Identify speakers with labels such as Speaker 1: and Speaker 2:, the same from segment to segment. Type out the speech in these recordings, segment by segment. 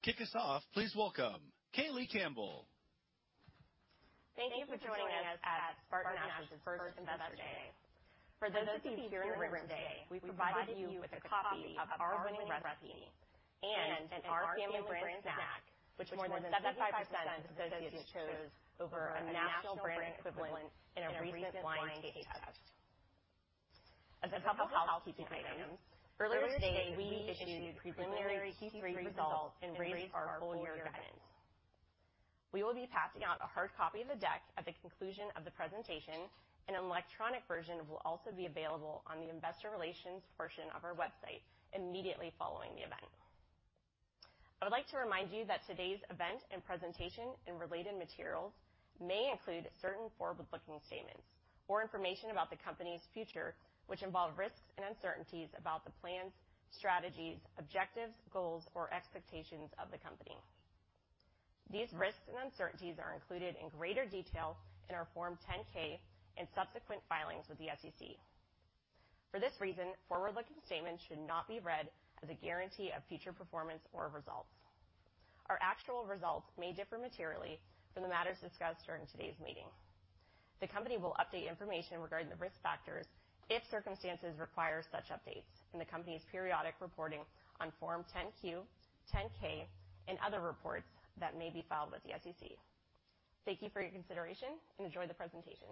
Speaker 1: Thank you for joining us at SpartanNash's first Investor Day. For those of you here in the room today, we've provided you with a copy of Our Winning Recipe and Our Family brand snack, which more than 75% of associates chose over a national brand equivalent in a recent blind taste test. As a couple of housekeeping items, earlier today, we issued preliminary Q3 results and raised our full-year guidance. We will be passing out a hard copy of the deck at the conclusion of the presentation, and an electronic version will also be available on the investor relations portion of our website immediately following the event. I would like to remind you that today's event and presentation and related materials may include certain forward-looking statements or information about the company's future, which involve risks and uncertainties about the plans, strategies, objectives, goals, or expectations of the company. These risks and uncertainties are included in greater detail in our Form 10-K and subsequent filings with the SEC. For this reason, forward-looking statements should not be read as a guarantee of future performance or results. Our actual results may differ materially from the matters discussed during today's meeting. The company will update information regarding the risk factors if circumstances require such updates in the company's periodic reporting on Form 10-Q, 10-K, and other reports that may be filed with the SEC. Thank you for your consideration, and enjoy the presentation.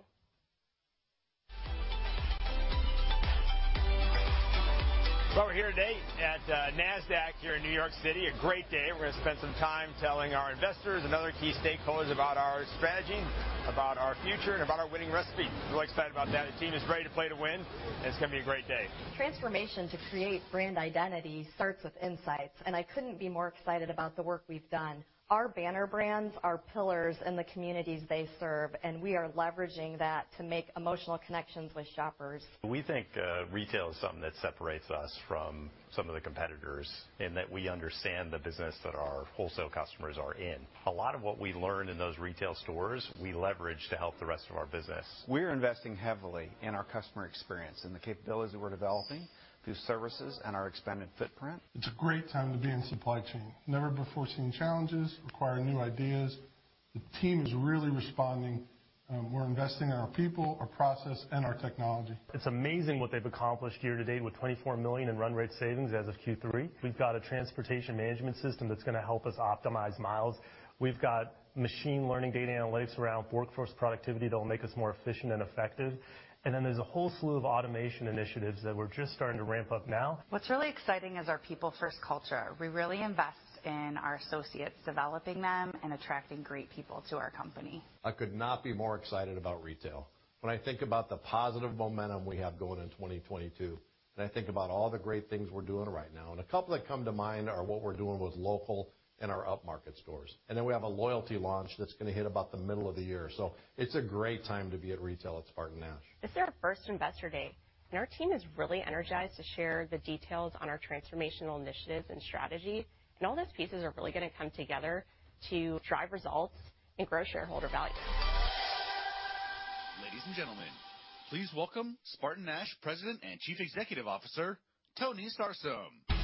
Speaker 2: Well, we're here today at Nasdaq here in New York City. A great day. We're gonna spend some time telling our investors and other key stakeholders about our strategy, about our future, and about Our Winning Recipe. Real excited about that. The team is ready to play to win, and it's gonna be a great day. Transformation to create brand identity starts with insights, and I couldn't be more excited about the work we've done. Our banner brands are pillars in the communities they serve, and we are leveraging that to make emotional connections with shoppers. We think retail is something that separates us from some of the competitors in that we understand the business that our wholesale customers are in. A lot of what we learn in those retail stores, we leverage to help the rest of our business. We're investing heavily in our customer experience and the capabilities that we're developing through services and our expanded footprint. It's a great time to be in supply chain. Never-before-seen challenges require new ideas. The team is really responding, we're investing in our people, our process, and our technology. It's amazing what they've accomplished year-to-date with $24 million in run-rate savings as of Q3. We've got a transportation management system that's gonna help us optimize miles. We've got machine learning data analytics around workforce productivity that'll make us more efficient and effective. Then there's a whole slew of automation initiatives that we're just starting to ramp up now. What's really exciting is our people-first culture. We really invest in our associates, developing them and attracting great people to our company.
Speaker 3: I could not be more excited about retail. When I think about the positive momentum we have going into 2022, and I think about all the great things we're doing right now, and a couple that come to mind are what we're doing with local and our upmarket stores. We have a loyalty launch that's gonna hit about the middle of the year. It's a great time to be at retail at SpartanNash.It's our first Investor Day, and our team is really energized to share the details on our transformational initiatives and strategy, and all those pieces are really gonna come together to drive results and grow shareholder value.
Speaker 4: Ladies and gentlemen, please welcome SpartanNash President and Chief Executive Officer, Tony Sarsam.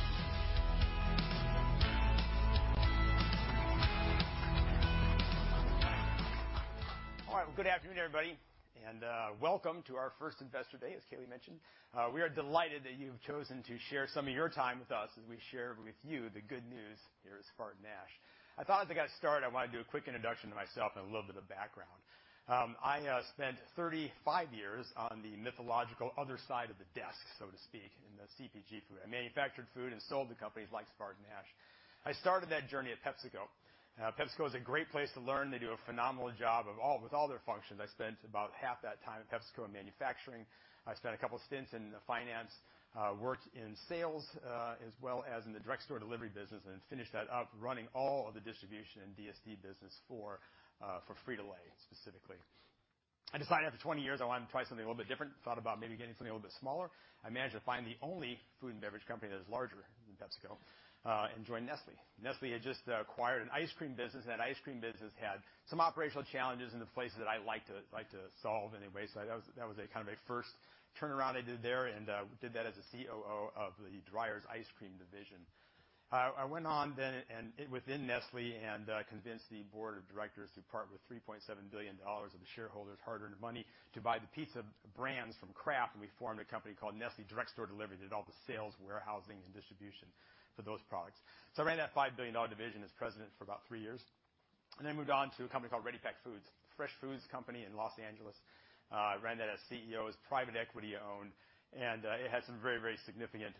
Speaker 5: All right. Well, good afternoon, everybody, and welcome to our first Investor Day, as Kayleigh mentioned. We are delighted that you've chosen to share some of your time with us as we share with you the good news here at SpartanNash. I thought as I got started, I wanna do a quick introduction to myself and a little bit of background. I spent 35 years on the mythical other side of the desk, so to speak, in the CPG food. I manufactured food and sold to companies like SpartanNash. I started that journey at PepsiCo. PepsiCo is a great place to learn. They do a phenomenal job with all their functions. I spent about half that time at PepsiCo in manufacturing. I spent a couple stints in finance, worked in sales, as well as in the Direct Store Delivery business and finished that up running all of the distribution and DSD business for Frito-Lay, specifically. I decided after 20 years, I wanted to try something a little bit different. Thought about maybe getting something a little bit smaller. I managed to find the only food and beverage company that is larger than PepsiCo and joined Nestlé. Nestlé had just acquired an ice cream business. That ice cream business had some operational challenges in the places that I like to solve, anyway. That was a kind of a first turnaround I did there and did that as a COO of the Dreyer's Ice Cream division. I went within Nestlé and convinced the board of directors to part with $3.7 billion of the shareholders' hard-earned money to buy the Pizza Brands from Kraft, and we formed a company called Nestlé Direct Store Delivery, that did all the sales, warehousing, and distribution for those products. I ran that $5 billion division as president for about three years, and then moved on to a company called Ready Pac Foods, a fresh foods company in Los Angeles. Ran that as CEO. It was private equity owned, and it had some very, very significant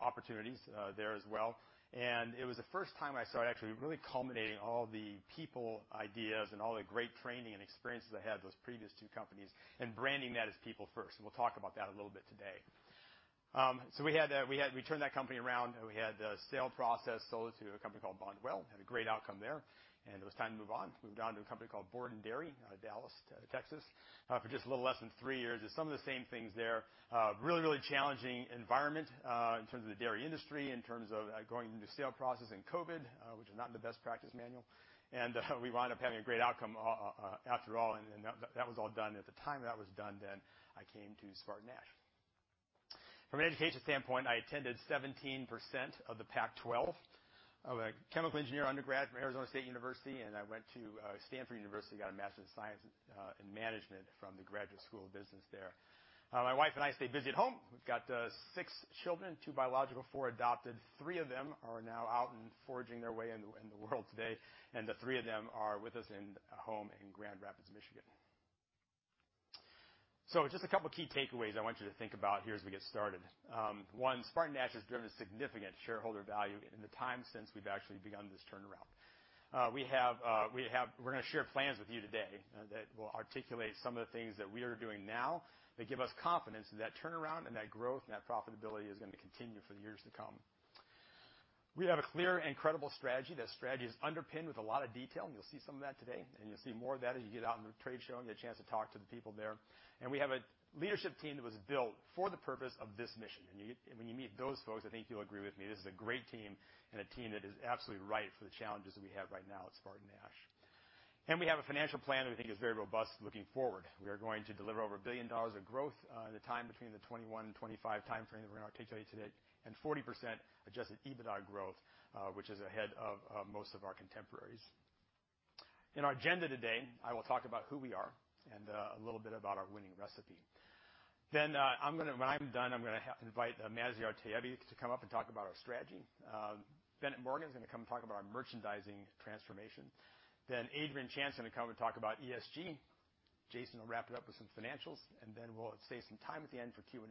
Speaker 5: opportunities there as well. It was the first time I started actually really culminating all the people ideas and all the great training and experiences I had at those previous two companies and branding that as people first. We'll talk about that a little bit today. We turned that company around, and we had the sale process, sold it to a company called Bonduelle. Had a great outcome there, and it was time to move on. Moved on to a company called Borden Dairy, Dallas, Texas, for just a little less than three years. Did some of the same things there. Really challenging environment in terms of the dairy industry, in terms of going through the sale process in COVID, which was not in the best practice manual. We wound up having a great outcome after all, and that was all done. At the time that was done then, I came to SpartanNash. From an education standpoint, I attended 17% of the Pac-12. I'm a chemical engineer undergrad from Arizona State University, and I went to Stanford University, got a Master of Science in Management from the Graduate School of Business there. My wife and I stay busy at home. We've got six children, two biological, four adopted. Three of them are now out and forging their way in the world today, and the three of them are with us in our home in Grand Rapids, Michigan. Just a couple key takeaways I want you to think about here as we get started. One, SpartanNash has driven a significant shareholder value in the time since we've actually begun this turnaround. We're gonna share plans with you today that will articulate some of the things that we are doing now that give us confidence that the turnaround and that growth and that profitability is gonna continue for the years to come. We have a clear and credible strategy. That strategy is underpinned with a lot of detail, and you'll see some of that today, and you'll see more of that as you get out in the trade show and get a chance to talk to the people there. We have a leadership team that was built for the purpose of this mission. When you meet those folks, I think you'll agree with me, this is a great team and a team that is absolutely right for the challenges that we have right now at SpartanNash. We have a financial plan that we think is very robust looking forward. We are going to deliver over $1 billion of growth in the time between the 2021 and 2025 timeframe that we're gonna articulate today, and 40% Adjusted EBITDA growth, which is ahead of most of our contemporaries. In our agenda today, I will talk about who we are and a little bit about Our Winning Recipe. When I'm done, I'm going to invite Masiar Tayebi to come up and talk about our strategy. Bennett Morgan gonna come and talk about our merchandising transformation. Then Adrienne Chance's gonna come and talk about ESG. Jason will wrap it up with some financials. Then we'll save some time at the end for Q&A.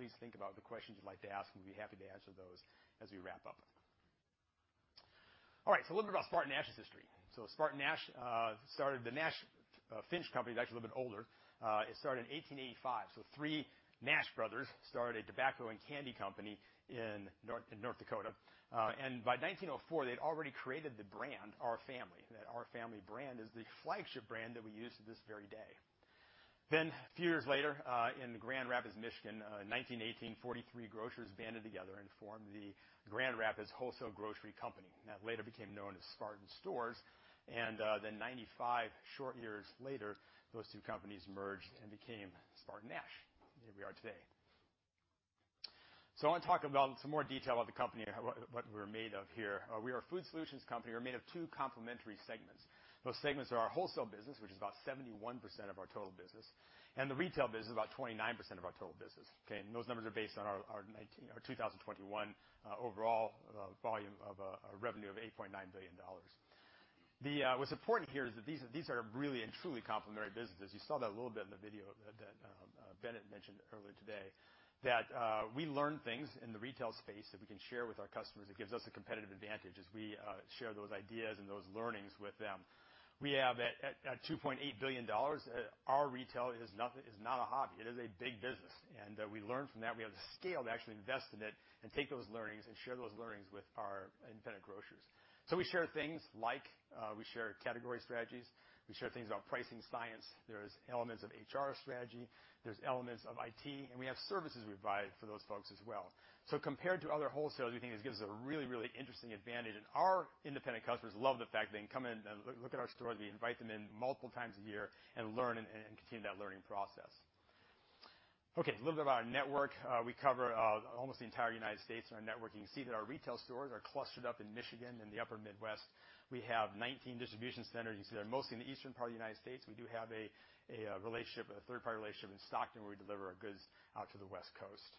Speaker 5: Please think about the questions you'd like to ask, and we'd be happy to answer those as we wrap up. All right. A little bit about SpartanNash's history. SpartanNash started. The Nash Finch Company is actually a little bit older. It started in 1885. Three Nash brothers started a tobacco and candy company in North Dakota. By 1904, they'd already created the brand Our Family. The Our Family brand is the flagship brand that we use to this very day. A few years later, in Grand Rapids, Michigan, 43 grocers banded together and formed the Grand Rapids Wholesale Grocery Company. That later became known as Spartan Stores. 95 short years later, those two companies merged and became SpartanNash, and here we are today. I want to talk about some more detail about the company and what we're made of here. We are a food solutions company. We're made of two complementary segments. Those segments are our wholesale business, which is about 71% of our total business, and the retail business, about 29% of our total business, okay? Those numbers are based on our 2021 overall volume of revenue of $8.9 billion. What's important here is that these are really and truly complementary businesses. You saw that a little bit in the video that Bennett mentioned earlier today, that we learn things in the retail space that we can share with our customers that gives us a competitive advantage as we share those ideas and those learnings with them. We have $2.8 billion, our retail is not a hobby. It is a big business. We learn from that. We have the scale to actually invest in it and take those learnings and share those learnings with our independent grocers. We share things like, we share category strategies, we share things about pricing science. There's elements of HR strategy, there's elements of IT, and we have services we provide for those folks as well. Compared to other wholesalers, we think this gives us a really, really interesting advantage. Our independent customers love the fact they can come in and look at our stores, we invite them in multiple times a year, and learn and continue that learning process. Okay. A little bit about our network. We cover almost the entire United States in our network. You can see that our retail stores are clustered up in Michigan and the upper Midwest. We have 19 Distribution Centers. You can see they're mostly in the eastern part of the United States. We do have a third-party relationship in Stockton, where we deliver our goods out to the West Coast.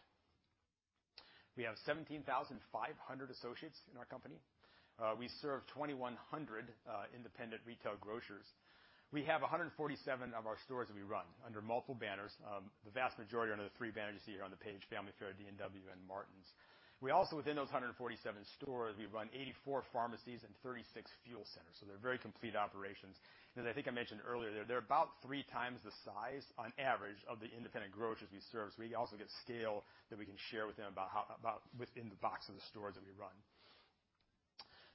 Speaker 5: We have 17,500 associates in our company. We serve 2,100 independent retail grocers. We have 147 of our stores that we run under multiple banners. The vast majority are under the three banners you see here on the page, Family Fare, D&W, and Martin's. We also, within those 147 stores, we run 84 pharmacies and 36 fuel centers, so they're very complete operations. As I think I mentioned earlier, they're about 3x the size on average of the independent grocers we serve, so we also get scale that we can share with them about within the box of the stores that we run.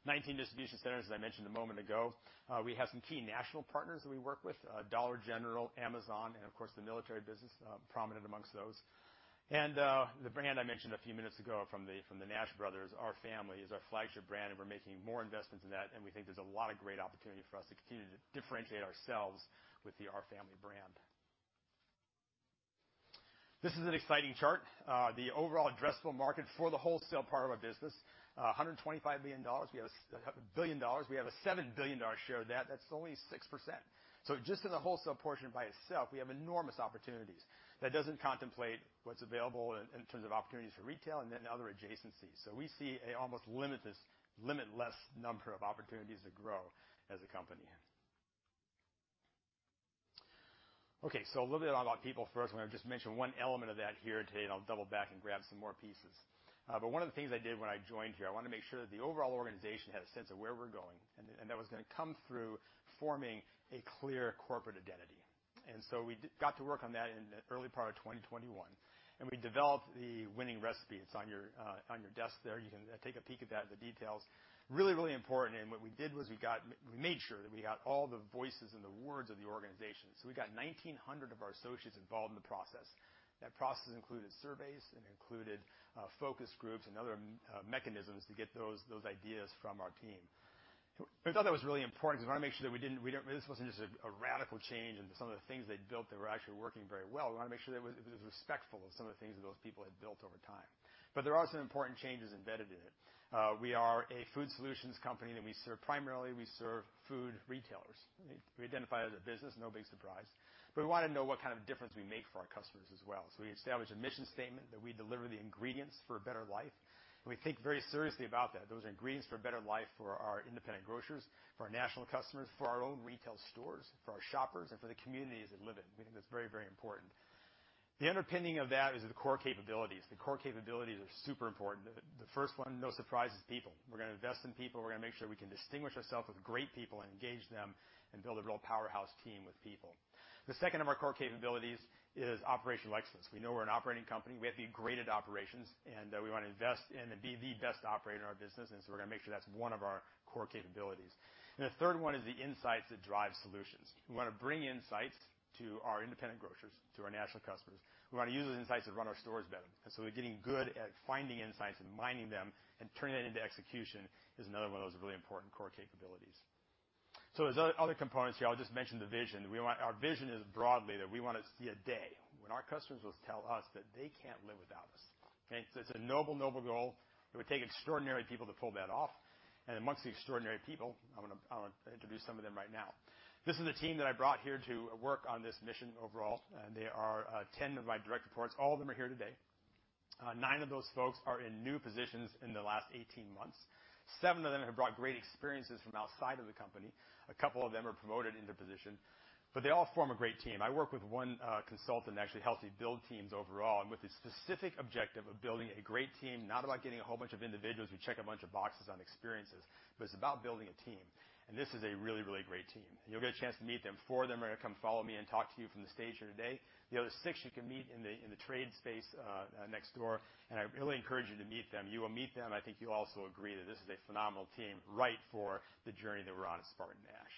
Speaker 5: 19 Distribution Centers, as I mentioned a moment ago. We have some key national partners that we work with, Dollar General, Amazon, and of course, the military business, prominent amongst those. The brand I mentioned a few minutes ago from the Nash brothers, Our Family, is our flagship brand, and we're making more investments in that, and we think there's a lot of great opportunity for us to continue to differentiate ourselves with the Our Family brand. This is an exciting chart. The overall addressable market for the wholesale part of our business, $125 billion. We have a $7 billion share of that. That's only 6%. Just in the wholesale portion by itself, we have enormous opportunities. That doesn't contemplate what's available in terms of opportunities for retail and then other adjacencies. We see almost limitless number of opportunities to grow as a company. Okay. A little bit about people. First, I wanna just mention one element of that here today, and I'll double back and grab some more pieces. One of the things I did when I joined here, I wanted to make sure that the overall organization had a sense of where we're going, and that was gonna come through forming a clear corporate identity. We got to work on that in the early part of 2021, and we developed the winning recipe. It's on your desk there. You can take a peek at that and the details. Really, really important. What we did was we made sure that we got all the voices and the words of the organization. We got 1,900 of our associates involved in the process. That process included surveys, focus groups, and other mechanisms to get those ideas from our team. I thought that was really important because we want to make sure that this wasn't just a radical change into some of the things they'd built that were actually working very well. We want to make sure that it was respectful of some of the things that those people had built over time. There are some important changes embedded in it. We are a food solutions company, and we serve primarily food retailers. We identify as a business, no big surprise, but we want to know what kind of difference we make for our customers as well. We established a mission statement that we deliver the ingredients for a better life, and we think very seriously about that. Those ingredients for a better life for our independent grocers, for our national customers, for our own retail stores, for our shoppers, and for the communities they live in. We think that's very, very important. The underpinning of that is the core capabilities. The core capabilities are super important. The first one, no surprise, is people. We're gonna invest in people. We're gonna make sure we can distinguish ourselves with great people and engage them and build a real powerhouse team with people. The second of our core capabilities is operational excellence. We know we're an operating company. We have to be great at operations, and we want to invest and then be the best operator in our business, and so we're gonna make sure that's one of our core capabilities. The third one is the insights that drive solutions. We wanna bring insights to our independent grocers, to our national customers. We wanna use those insights to run our stores better. Getting good at finding insights and mining them and turning that into execution is another one of those really important core capabilities. There's other components here. I'll just mention the vision. Our vision is broadly that we wanna see a day when our customers will tell us that they can't live without us, okay. It's a noble goal. It would take extraordinary people to pull that off. Amongst the extraordinary people, I'm gonna introduce some of them right now. This is a team that I brought here to work on this mission overall, and they are 10 of my direct reports. All of them are here today. Nine of those folks are in new positions in the last 18 months. Seven of them have brought great experiences from outside of the company. A couple of them are promoted into position, but they all form a great team. I work with one consultant who actually helps me build teams overall and with the specific objective of building a great team, not about getting a whole bunch of individuals who check a bunch of boxes on experiences, but it's about building a team. This is a really, really great team. You'll get a chance to meet them. Four of them are gonna come follow me and talk to you from the stage here today. The other six you can meet in the trade space next door, and I really encourage you to meet them. You will meet them, and I think you'll also agree that this is a phenomenal team, right for the journey that we're on at SpartanNash.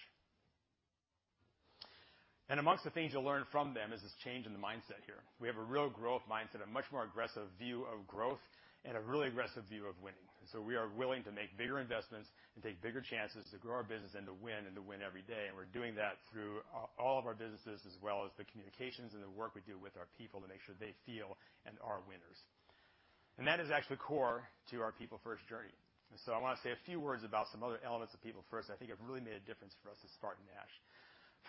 Speaker 5: Amongst the things you'll learn from them is this change in the mindset here. We have a real growth mindset, a much more aggressive view of growth and a really aggressive view of winning. We are willing to make bigger investments and take bigger chances to grow our business and to win and to win every day. We're doing that through all of our businesses as well as the communications and the work we do with our people to make sure they feel and are winners. That is actually core to our people-first journey. I wanna say a few words about some other elements of People First that I think have really made a difference for us at SpartanNash.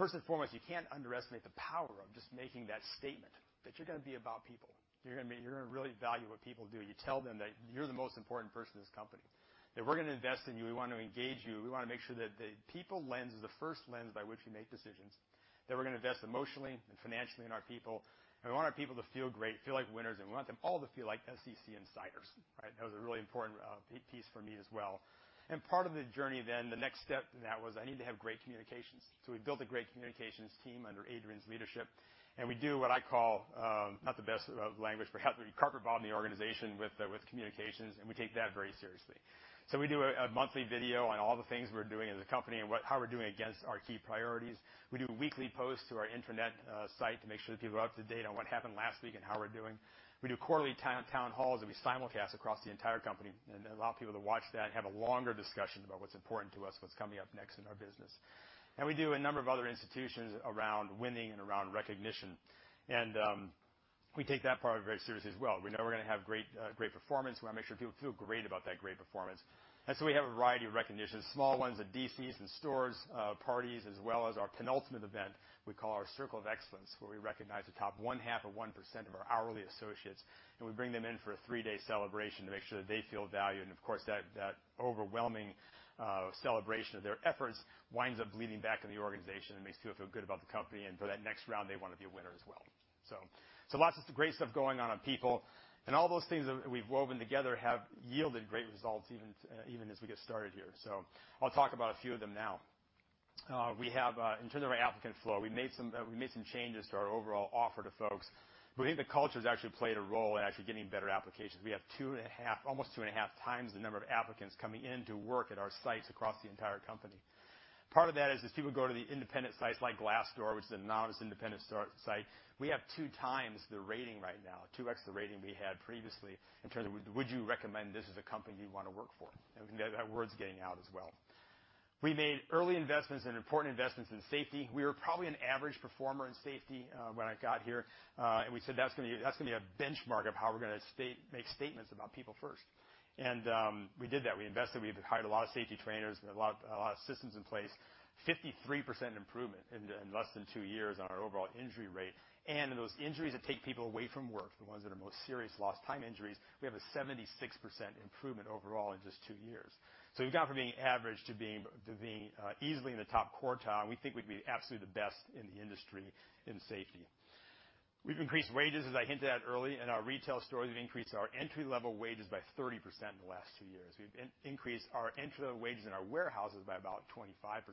Speaker 5: First and foremost, you can't underestimate the power of just making that statement that you're gonna be about people. You're gonna really value what people do. You tell them that you're the most important person in this company, that we're gonna invest in you, we want to engage you, we want to make sure that the people lens is the first lens by which we make decisions, that we're gonna invest emotionally and financially in our people, and we want our people to feel great, feel like winners, and we want them all to feel like SEC insiders, right? That was a really important piece for me as well. Part of the journey then, the next step to that was I need to have great communications. We built a great communications team under Adrienne's leadership, and we do what I call we carpet bomb the organization with communications, and we take that very seriously. We do a monthly video on all the things we're doing as a company and how we're doing against our key priorities. We do weekly posts to our intranet site to make sure that people are up to date on what happened last week and how we're doing. We do quarterly town halls that we simulcast across the entire company and allow people to watch that and have a longer discussion about what's important to us, what's coming up next in our business. We do a number of other initiatives around winning and around recognition. We take that part very seriously as well. We know we're gonna have great performance. We wanna make sure people feel great about that great performance. We have a variety of recognitions, small ones at DCs, in stores, parties, as well as our penultimate event we call our Circle of Excellence, where we recognize the top 0.5% of our hourly associates, and we bring them in for a three-day celebration to make sure that they feel valued. Of course, that overwhelming celebration of their efforts winds up bleeding back into the organization and makes people feel good about the company, and for that next round, they wanna be a winner as well. Lots of great stuff going on people. All those things that we've woven together have yielded great results even as we get started here. I'll talk about a few of them now. We have, in terms of our applicant flow, we made some changes to our overall offer to folks. We think the culture's actually played a role in actually getting better applications. We have 2.5, almost 2.5x the number of applicants coming in to work at our sites across the entire company. Part of that is as people go to the independent sites like Glassdoor, which is an anonymous independent site, we have 2x the rating right now, 2x the rating we had previously in terms of would you recommend this as a company you'd want to work for? That word's getting out as well. We made early investments and important investments in safety. We were probably an average performer in safety, when I got here. We said, "That's gonna be a benchmark of how we're gonna make statements about people first." We did that. We invested. We've hired a lot of safety trainers and a lot of systems in place. 53% improvement in less than two years on our overall injury rate. Those injuries that take people away from work, the ones that are most serious, Lost-Time Injuries, we have a 76% improvement overall in just two years. We've gone from being average to being easily in the top quartile, and we think we can be absolutely the best in the industry in safety. We've increased wages, as I hinted at earlier, in our retail stores. We've increased our entry-level wages by 30% in the last two years. We've increased our entry-level wages in our warehouses by about 25%.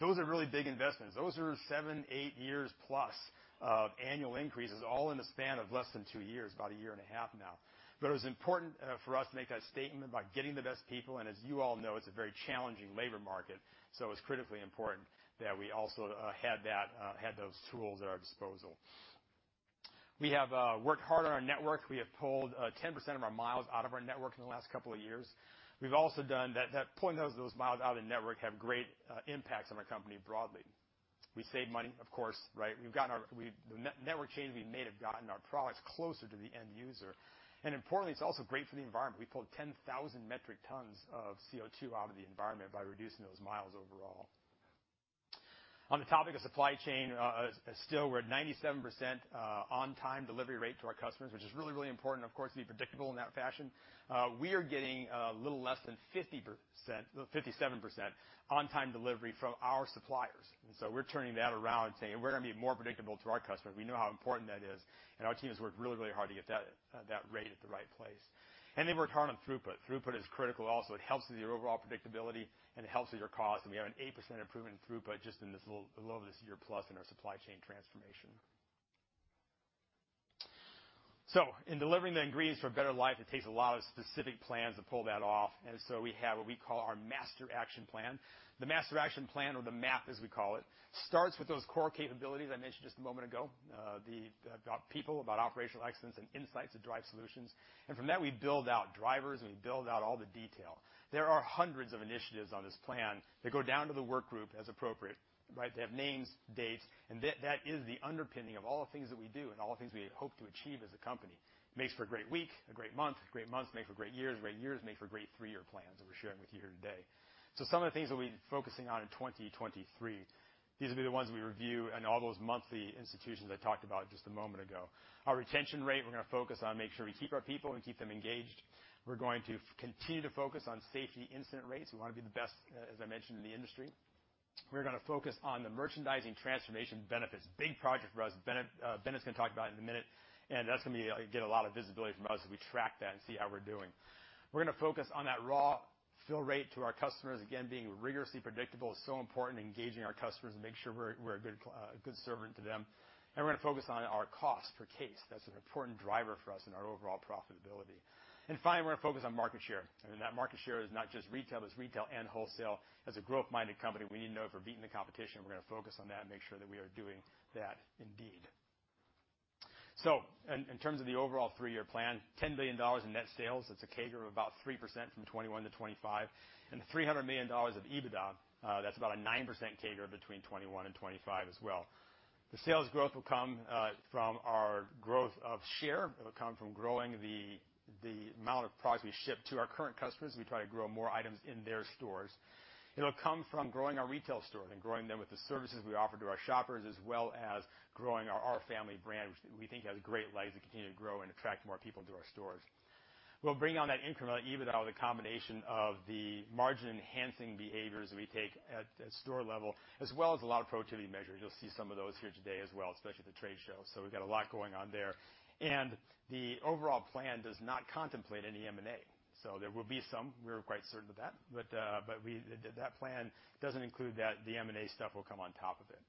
Speaker 5: Those are really big investments. Those are seven, eight years plus of annual increases all in the span of less than two years, about a year and a half now. It was important for us to make that statement about getting the best people, and as you all know, it's a very challenging labor market, so it's critically important that we also had those tools at our disposal. We have worked hard on our network. We have pulled 10% of our miles out of our network in the last couple of years. We've also done that pulling those miles out of the network have great impacts on our company broadly. We save money, of course, right? The network change we made have gotten our products closer to the end user. Importantly, it's also great for the environment. We pulled 10,000 metric tons of CO2 out of the environment by reducing those miles overall. On the topic of supply chain, still we're at 97% on-time delivery rate to our customers, which is really, really important, of course, to be predictable in that fashion. We are getting a little less than 57% on-time delivery from our suppliers. We're turning that around and saying, "We're gonna be more predictable to our customers." We know how important that is, and our team has worked really, really hard to get that rate at the right place. We worked hard on throughput. Throughput is critical also. It helps with your overall predictability and it helps with your cost. We have an 8% improvement in throughput just a little over this year plus in our supply chain transformation. In delivering the ingredients for a better life, it takes a lot of specific plans to pull that off. We have what we call our Master Action Plan. The Master Action Plan or the MAP, as we call it, starts with those core capabilities I mentioned just a moment ago, about people, about operational excellence and insights that drive solutions. From that, we build out drivers and we build out all the detail. There are hundreds of initiatives on this plan that go down to the work group as appropriate, right? They have names, dates, and that is the underpinning of all the things that we do and all the things we hope to achieve as a company. Makes for a great week, a great month. Great months make for great years. Great years make for great three-year plans that we're sharing with you here today. Some of the things that we'll be focusing on in 2023, these will be the ones we review in all those monthly institutions I talked about just a moment ago. Our retention rate, we're gonna focus on, make sure we keep our people and keep them engaged. We're going to continue to focus on safety incident rates. We wanna be the best, as I mentioned, in the industry. We're gonna focus on the merchandising transformation benefits. Big project for us. Bennett's gonna talk about it in a minute, and that's gonna be get a lot of visibility from us as we track that and see how we're doing. We're gonna focus on that raw fill rate to our customers. Being rigorously predictable is so important in engaging our customers and make sure we're a good servant to them. We're gonna focus on our cost per case. That's an important driver for us in our overall profitability. Finally, we're gonna focus on market share. That market share is not just retail, but it's retail and wholesale. As a growth-minded company, we need to know if we're beating the competition. We're gonna focus on that and make sure that we are doing that indeed. In terms of the overall three-year plan, $10 billion in net sales. That's a CAGR of about 3% from 2021 to 2025. Three hundred million dollars of EBITDA, that's about a 9% CAGR between 2021 and 2025 as well. The sales growth will come from our growth of share. It'll come from growing the amount of products we ship to our current customers. We try to grow more items in their stores. It'll come from growing our retail stores and growing them with the services we offer to our shoppers, as well as growing our Our Family brand, which we think has great legs to continue to grow and attract more people into our stores. We'll bring on that incremental EBITDA with a combination of the margin-enhancing behaviors we take at store level, as well as a lot of productivity measures. You'll see some of those here today as well, especially at the trade show. We've got a lot going on there. The overall plan does not contemplate any M&A. There will be some, we're quite certain of that. That plan doesn't include that. The M&A stuff will come on top of it.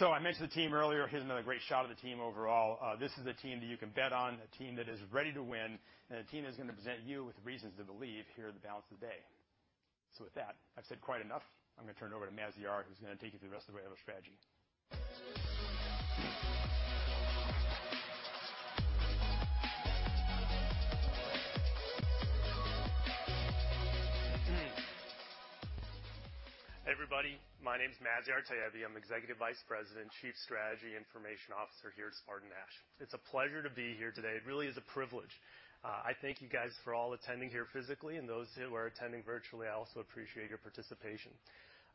Speaker 5: I mentioned the team earlier. Here's another great shot of the team overall. This is a team that you can bet on, a team that is ready to win, and a team that's gonna present you with reasons to believe here in the balance of the day. With that, I've said quite enough. I'm gonna turn it over to Masiar, who's gonna take you through the rest of the way of our strategy.
Speaker 6: Hey, everybody. My name's Masiar Tayebi. I'm Executive Vice President, Chief Strategy and Information Officer here at SpartanNash. It's a pleasure to be here today. It really is a privilege. I thank you guys for all attending here physically and those who are attending virtually. I also appreciate your participation.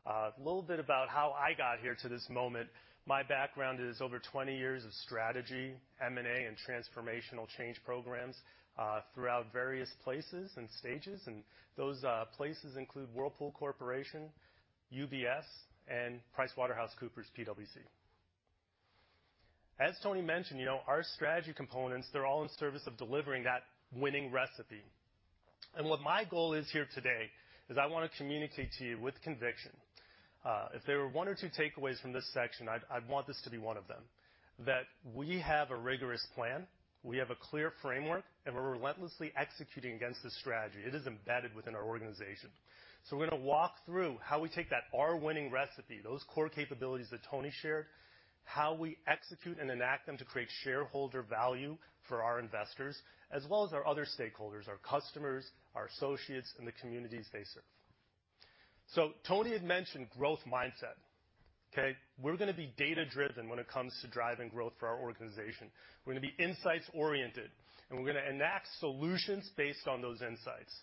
Speaker 6: A little bit about how I got here to this moment. My background is over 20 years of strategy, M&A, and transformational change programs throughout various places and stages. Those places include Whirlpool Corporation, UBS, and PricewaterhouseCoopers, PwC. As Tony mentioned, you know, our strategy components. They're all in service of delivering that Winning Recipe. What my goal is here today is I wanna communicate to you with conviction. If there were one or two takeaways from this section, I'd want this to be one of them, that we have a rigorous plan, we have a clear framework, and we're relentlessly executing against this strategy. It is embedded within our organization. We're gonna walk through how we take that Our Winning Recipe, those core capabilities that Tony shared, how we execute and enact them to create shareholder value for our investors, as well as our other stakeholders, our customers, our associates, and the communities they serve. Tony had mentioned growth mindset, okay? We're gonna be data-driven when it comes to driving growth for our organization. We're gonna be insights oriented, and we're gonna enact solutions based on those insights.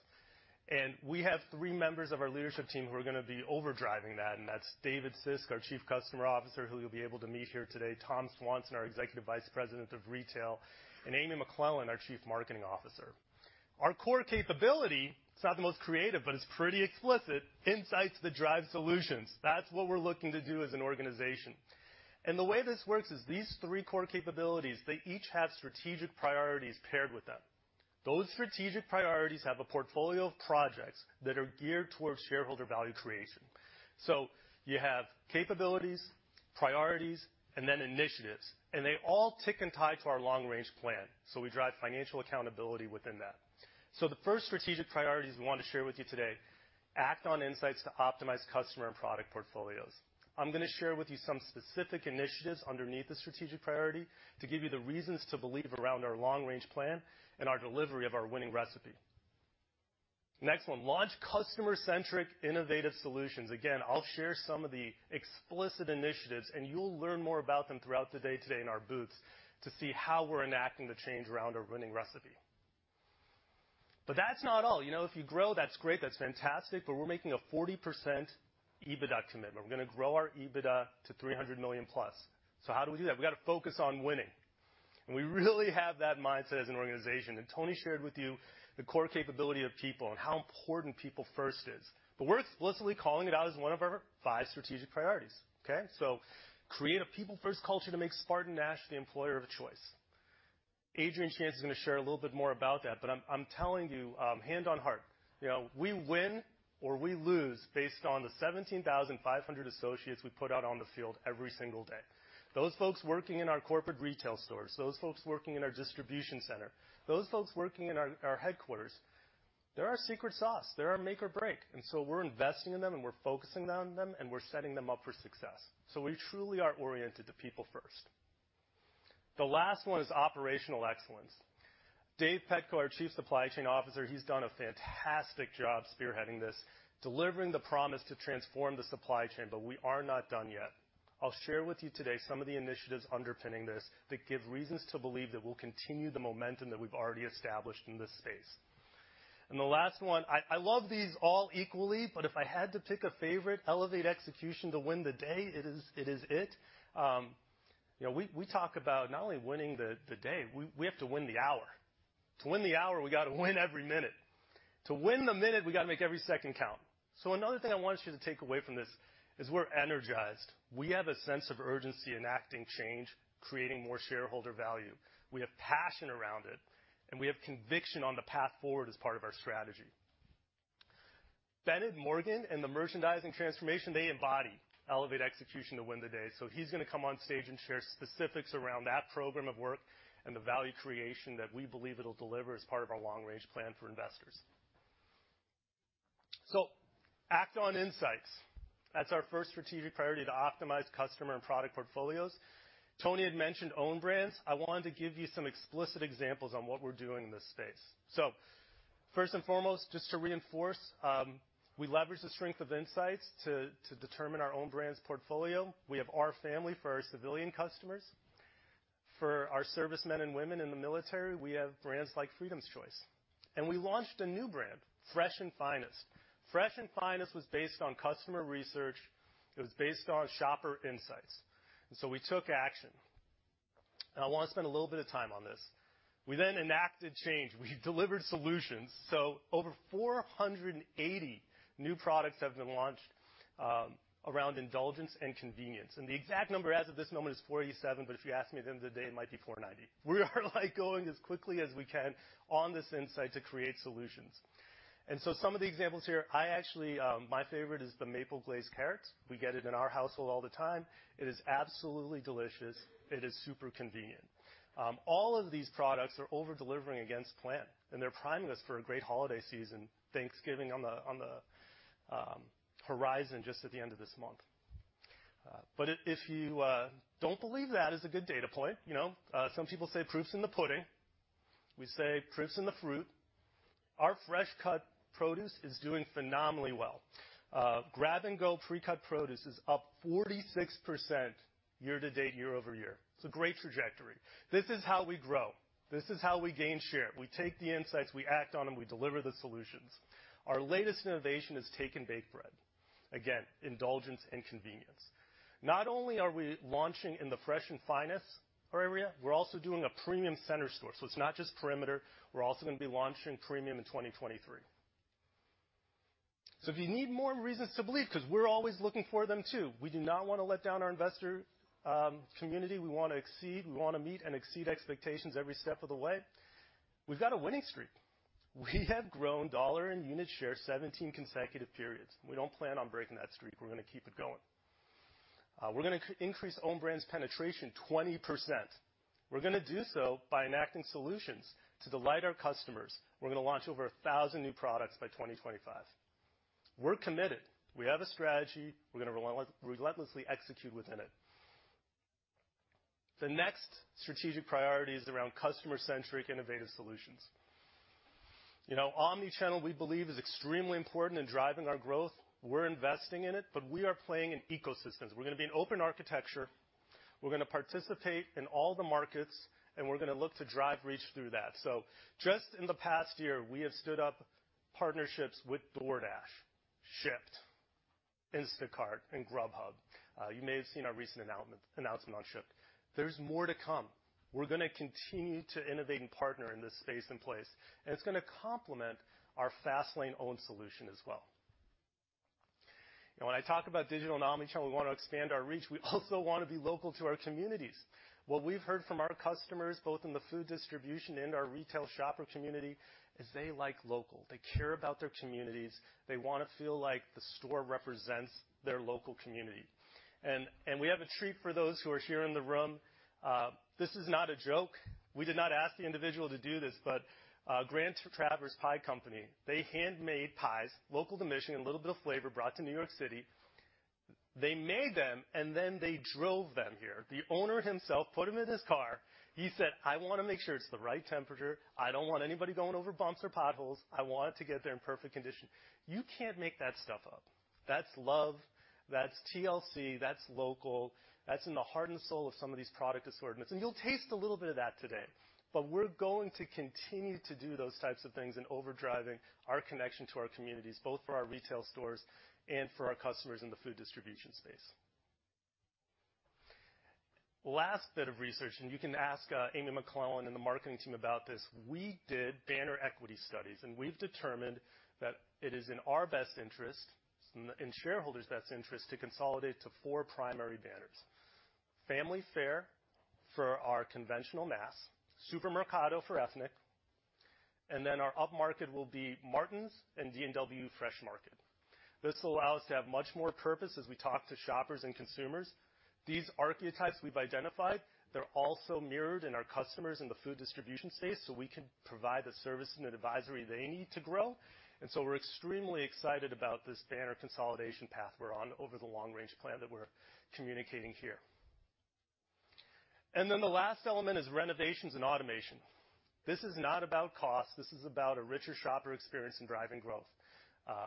Speaker 6: We have three members of our leadership team who are gonna be overdriving that, and that's David Sisk, our Chief Customer Officer, who you'll be able to meet here today, Tom Swanson, our Executive Vice President of Retail, and Amy McClellan, our Chief Marketing Officer. Our core capability, it's not the most creative, but it's pretty explicit, insights that drive solutions. That's what we're looking to do as an organization. The way this works is these three core capabilities, they each have strategic priorities paired with them. Those strategic priorities have a portfolio of projects that are geared towards shareholder value creation. You have capabilities, priorities, and then initiatives, and they all tick and tie to our long-range plan, so we drive financial accountability within that. The first strategic priorities we want to share with you today, act on insights to optimize customer and product portfolios. I'm gonna share with you some specific initiatives underneath the strategic priority to give you the reasons to believe around our long-range plan and our delivery of Our Winning Recipe. Next one, launch customer-centric innovative solutions. Again, I'll share some of the explicit initiatives, and you'll learn more about them throughout the day today in our booths to see how we're enacting the change around Our Winning Recipe. That's not all. You know, if you grow, that's great, that's fantastic, but we're making a 40% EBITDA commitment. We're gonna grow our EBITDA to $300 million plus. How do we do that? We gotta focus on winning. We really have that mindset as an organization. Tony shared with you the core capability of people and how important people first is. We're explicitly calling it out as one of our five strategic priorities, okay? Create a people-first culture to make SpartanNash the employer of choice. Adrienne Chance is gonna share a little bit more about that, but I'm telling you, hand on heart, you know, we win or we lose based on the 17,500 associates we put out on the field every single day. Those folks working in our corporate retail stores, those folks working in our Distribution Center, those folks working in our headquarters, they're our secret sauce, they're our make or break. We're investing in them, and we're focusing on them, and we're setting them up for success. We truly are oriented to people first. The last one is operational excellence. David Petko, our Chief Supply Chain Officer, he's done a fantastic job spearheading this, delivering the promise to transform the supply chain, but we are not done yet. I'll share with you today some of the initiatives underpinning this that give reasons to believe that we'll continue the momentum that we've already established in this space. The last one, I love these all equally, but if I had to pick a favorite, elevate execution to win the day, it is it. You know, we talk about not only winning the day, we have to win the hour. To win the hour, we gotta win every minute. To win the minute, we gotta make every second count. Another thing I want you to take away from this is we're energized. We have a sense of urgency enacting change, creating more shareholder value. We have passion around it, and we have conviction on the path forward as part of our strategy. Bennett Morgan and the merchandising transformation, they embody elevated execution to win the day. He's gonna come on stage and share specifics around that program of work and the value creation that we believe it'll deliver as part of our long-range plan for investors. Act on insights. That's our first strategic priority to optimize customer and product portfolios. Tony had mentioned own brands. I wanted to give you some explicit examples on what we're doing in this space. First and foremost, just to reinforce, we leverage the strength of insights to determine our own brands portfolio. We have Our Family for our civilian customers. For our servicemen and women in the military, we have brands like Freedom's Choice. We launched a new brand, Fresh & Finest. Fresh & Finest was based on customer research. It was based on shopper insights. We took action. I wanna spend a little bit of time on this. We enacted change. We delivered solutions. Over 480 new products have been launched around indulgence and convenience, and the exact number as of this moment is 47, but if you ask me at the end of the day, it might be 490. We are like going as quickly as we can on this insight to create solutions. Some of the examples here, I actually, my favorite is the maple glazed carrots. We get it in our household all the time. It is absolutely delicious. It is super convenient. All of these products are over-delivering against plan, and they're priming us for a great holiday season, Thanksgiving on the horizon just at the end of this month. If you don't believe that is a good data point, you know, some people say proof's in the pudding. We say proof's in the fruit. Our fresh cut produce is doing phenomenally well. Grab-and-go pre-cut produce is up 46% year-to-date year-over-year. It's a great trajectory. This is how we grow. This is how we gain share. We take the insights, we act on them, we deliver the solutions. Our latest innovation is Take & Bake bread. Again, indulgence and convenience. Not only are we launching in the Fresh & Finest area, we're also doing a premium center store. It's not just perimeter. We're also gonna be launching premium in 2023. If you need more reasons to believe, 'cause we're always looking for them too, we do not wanna let down our investor community. We wanna exceed, we wanna meet and exceed expectations every step of the way. We've got a winning streak. We have grown dollar and unit share 17 consecutive periods. We don't plan on breaking that streak. We're gonna keep it going. We're gonna increase own brands penetration 20%. We're gonna do so by enacting solutions to delight our customers. We're gonna launch over 1,000 new products by 2025. We're committed. We have a strategy. We're gonna relentlessly execute within it. The next strategic priority is around customer-centric innovative solutions. You know, omnichannel, we believe, is extremely important in driving our growth. We're investing in it, but we are playing in ecosystems. We're gonna be an open architecture. We're gonna participate in all the markets, and we're gonna look to drive reach through that. Just in the past year, we have stood up partnerships with DoorDash, Shipt, Instacart, and Grubhub. You may have seen our recent announcement on Shipt. There's more to come. We're gonna continue to innovate and partner in this space and place, and it's gonna complement our Fast Lane owned solution as well. You know, when I talk about digital and omnichannel, we wanna expand our reach. We also wanna be local to our communities. What we've heard from our customers, both in the food distribution and our retail shopper community, is they like local. They care about their communities. They wanna feel like the store represents their local community. We have a treat for those who are here in the room. This is not a joke. We did not ask the individual to do this, but Grand Traverse Pie Company, they handmade pies, local to Michigan, a little bit of flavor, brought to New York City. They made them and then they drove them here. The owner himself put them in his car. He said, "I want to make sure it's the right temperature. I don't want anybody going over bumps or potholes. I want it to get there in perfect condition." You can't make that stuff up. That's love. That's TLC, that's local. That's in the heart and soul of some of these product assortments. You'll taste a little bit of that today, but we're going to continue to do those types of things and overdriving our connection to our communities, both for our retail stores and for our customers in the food distribution space. Last bit of research, and you can ask, Amy McClellan and the marketing team about this. We did banner equity studies, and we've determined that it is in our best interest and shareholders' best interest to consolidate to four primary banners. Family Fare for our conventional mass, Supermercado for ethnic, and then our upmarket will be Martin's and D&W Fresh Market. This allows to have much more purpose as we talk to shoppers and consumers. These archetypes we've identified, they're also mirrored in our customers in the food distribution space, so we can provide the service and advisory they need to grow. We're extremely excited about this banner consolidation path we're on over the long range plan that we're communicating here. The last element is renovations and automation. This is not about cost. This is about a richer shopper experience and driving growth.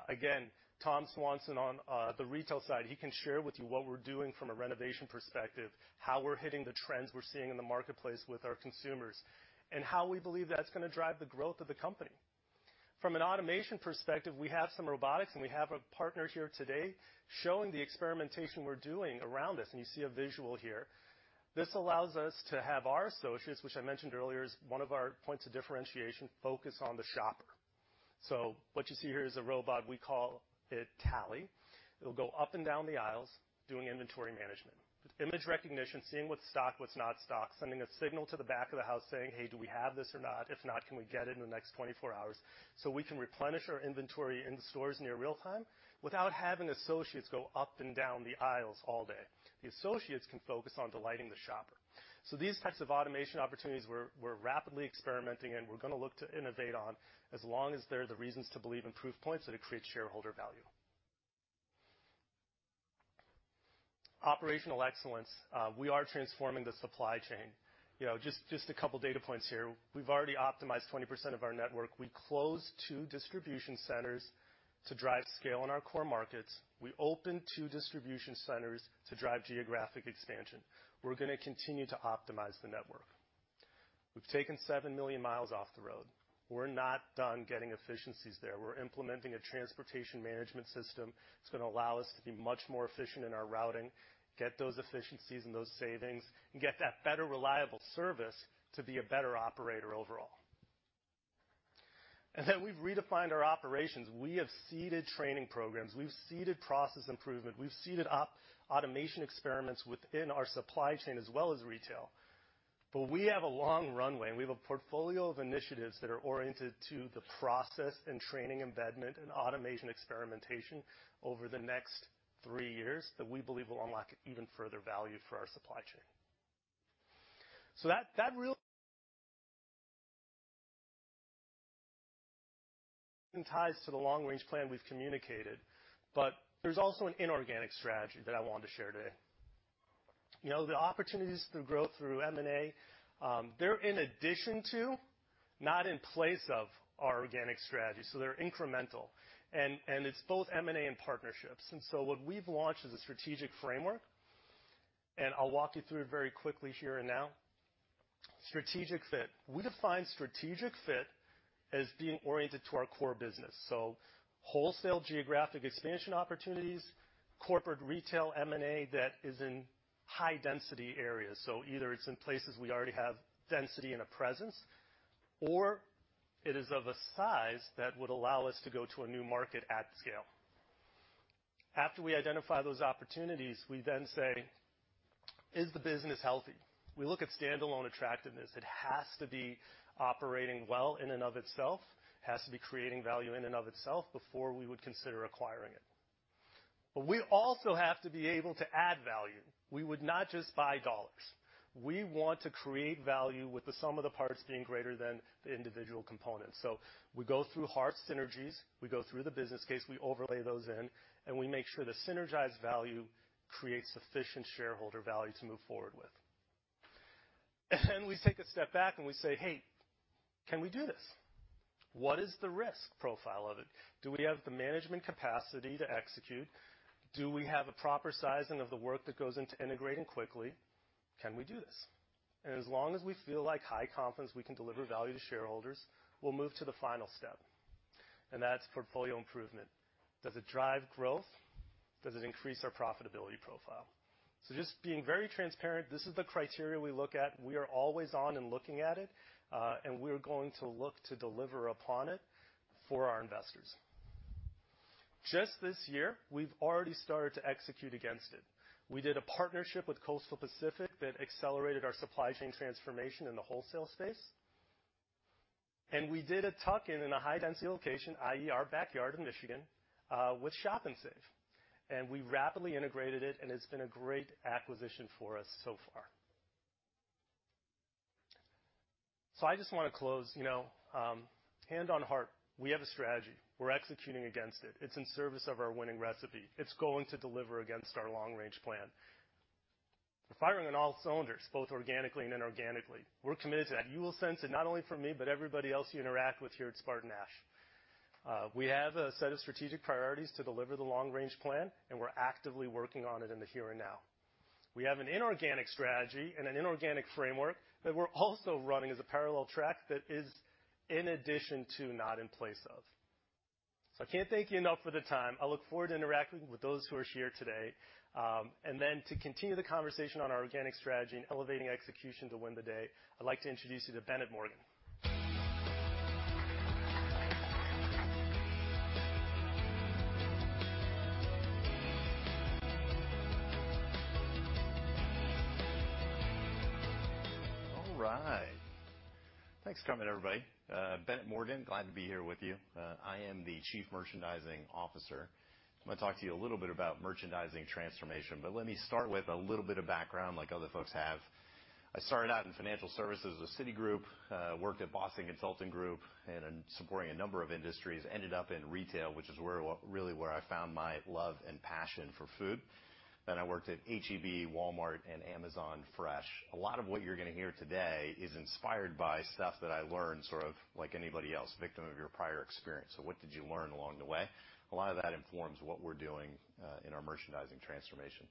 Speaker 6: Again, Tom Swanson on the retail side, he can share with you what we're doing from a renovation perspective, how we're hitting the trends we're seeing in the marketplace with our consumers, and how we believe that's gonna drive the growth of the company. From an automation perspective, we have some robotics, and we have a partner here today showing the experimentation we're doing around this, and you see a visual here. This allows us to have our associates, which I mentioned earlier, is one of our points of differentiation, focus on the shopper. What you see here is a robot. We call it Tally. It'll go up and down the aisles doing inventory management. With image recognition, seeing what's stocked, what's not stocked, sending a signal to the back of the house saying, "Hey, do we have this or not? If not, can we get it in the next 24 hours?" We can replenish our inventory in the stores near real-time without having associates go up and down the aisles all day. The associates can focus on delighting the shopper. These types of automation opportunities we're rapidly experimenting and we're gonna look to innovate on as long as they're the reasons to believe in proof points that it creates shareholder value. Operational excellence, we are transforming the supply chain. You know, just a couple data points here. We've already optimized 20% of our network. We closed two Distribution Centers to drive scale in our core markets. We opened two Distribution Centers to drive geographic expansion. We're gonna continue to optimize the network. We've taken 7 million miles off the road. We're not done getting efficiencies there. We're implementing a transportation management system. It's gonna allow us to be much more efficient in our routing, get those efficiencies and those savings, and get that better reliable service to be a better operator overall. We've redefined our operations. We have seeded training programs. We've seeded process improvement. We've seeded up automation experiments within our supply chain as well as retail. We have a long runway, and we have a portfolio of initiatives that are oriented to the process and training embedment and automation experimentation over the next three years that we believe will unlock even further value for our supply chain. That ties to the long-range plan we've communicated. There's also an inorganic strategy that I want to share today. You know, the opportunities to grow through M&A, they're in addition to, not in place of our organic strategy, so they're incremental. It's both M&A and partnerships. What we've launched is a strategic framework, and I'll walk you through it very quickly here and now. Strategic fit. We define strategic fit as being oriented to our core business. Wholesale geographic expansion opportunities, corporate retail M&A that is in high-density areas. Either it's in places we already have density and a presence, or it is of a size that would allow us to go to a new market at scale. After we identify those opportunities, we then say, "Is the business healthy?" We look at standalone attractiveness. It has to be operating well in and of itself. It has to be creating value in and of itself before we would consider acquiring it. We also have to be able to add value. We would not just buy dollars. We want to create value with the sum of the parts being greater than the individual components. We go through hard synergies, we go through the business case, we overlay those in, and we make sure the synergized value creates sufficient shareholder value to move forward with. We take a step back and we say, "Hey, can we do this? What is the risk profile of it? Do we have the management capacity to execute? Do we have a proper sizing of the work that goes into integrating quickly? Can we do this?" As long as we feel like high confidence we can deliver value to shareholders, we'll move to the final step, and that's portfolio improvement. Does it drive growth? Does it increase our profitability profile? Just being very transparent, this is the criteria we look at. We are always on and looking at it, and we're going to look to deliver upon it for our investors. Just this year, we've already started to execute against it. We did a partnership with Coastal Pacific that accelerated our supply chain transformation in the wholesale space. We did a tuck-in in a high-density location, i.e. our backyard in Michigan, with Shop 'n Save, and we rapidly integrated it, and it's been a great acquisition for us so far. So I just want to close, you know, hand on heart, we have a strategy. We're executing against it. It's in service of Our Winning Recipe. It's going to deliver against our long-range plan. We're firing on all cylinders, both organically and inorganically. We're committed to that. You will sense it, not only from me, but everybody else you interact with here at SpartanNash. We have a set of strategic priorities to deliver the long-range plan, and we're actively working on it in the here and now. We have an inorganic strategy and an inorganic framework that we're also running as a parallel track that is in addition to, not in place of. I can't thank you enough for the time. I look forward to interacting with those who are here today, and then to continue the conversation on our organic strategy and elevating execution to win the day, I'd like to introduce you to Bennett Morgan.
Speaker 7: All right. Thanks for coming, everybody. Bennett Morgan, glad to be here with you. I am the Chief Merchandising Officer. I'm gonna talk to you a little bit about merchandising transformation, but let me start with a little bit of background like other folks have. I started out in financial service with Citigroup, worked at Boston Consulting Group and then supporting a number of industries, ended up in retail, which is where, really where I found my love and passion for food. Then I worked at H-E-B, Walmart, and Amazon Fresh. A lot of what you're gonna hear today is inspired by stuff that I learned, sort of like anybody else, victim of your prior experience. So what did you learn along the way? A lot of that informs what we're doing, in our merchandising transformation.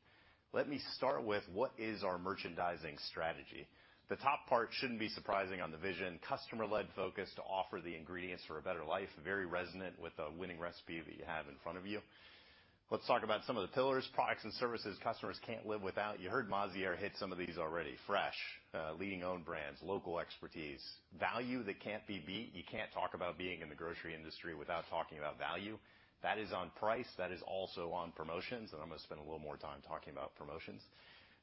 Speaker 7: Let me start with, what is our merchandising strategy? The top part shouldn't be surprising on the vision. Customer-led focus to offer the ingredients for a better life. Very resonant with the Winning Recipe that you have in front of you. Let's talk about some of the pillars. Products and services customers can't live without. You heard Masiar hit some of these already. Fresh, leading own brands, local expertise, value that can't be beat. You can't talk about being in the grocery industry without talking about value. That is on price. That is also on promotions, and I'm gonna spend a little more time talking about promotions.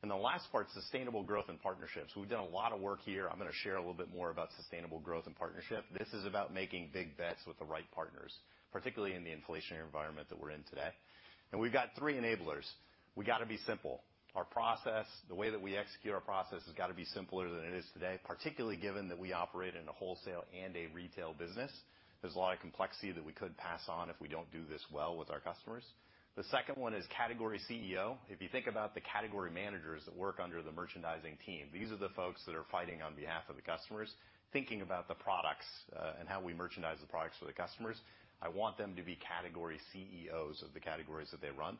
Speaker 7: The last part, sustainable growth and partnerships. We've done a lot of work here. I'm gonna share a little bit more about sustainable growth and partnership. This is about making big bets with the right partners, particularly in the inflationary environment that we're in today. We've got three enablers. We gotta be simple. Our process, the way that we execute our process has got to be simpler than it is today, particularly given that we operate in a wholesale and a retail business. There's a lot of complexity that we could pass on if we don't do this well with our customers. The second one is category CEO. If you think about the category managers that work under the merchandising team, these are the folks that are fighting on behalf of the customers, thinking about the products, and how we merchandise the products for the customers. I want them to be category CEOs of the categories that they run.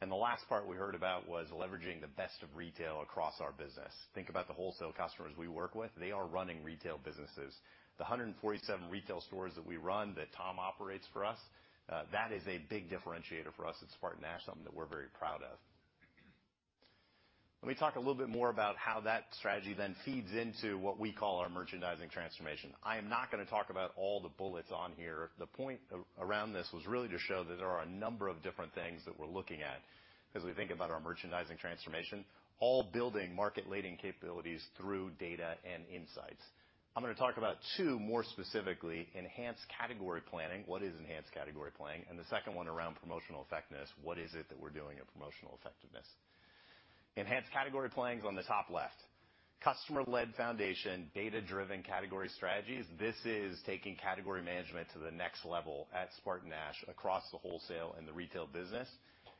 Speaker 7: The last part we heard about was leveraging the best of retail across our business. Think about the wholesale customers we work with, they are running retail businesses. The 147 retail stores that we run that Tom operates for us, that is a big differentiator for us at SpartanNash, something that we're very proud of. Let me talk a little bit more about how that strategy then feeds into what we call our merchandising transformation. I am not gonna talk about all the bullets on here. The point around this was really to show that there are a number of different things that we're looking at as we think about our merchandising transformation, all building market-leading capabilities through data and insights. I'm gonna talk about two more specifically, enhanced category planning. What is enhanced category planning? The second one around promotional effectiveness. What is it that we're doing in promotional effectiveness? Enhanced category planning's on the top left. Customer-led foundation, data-driven category strategies. This is taking category management to the next level at SpartanNash across the wholesale and the retail business.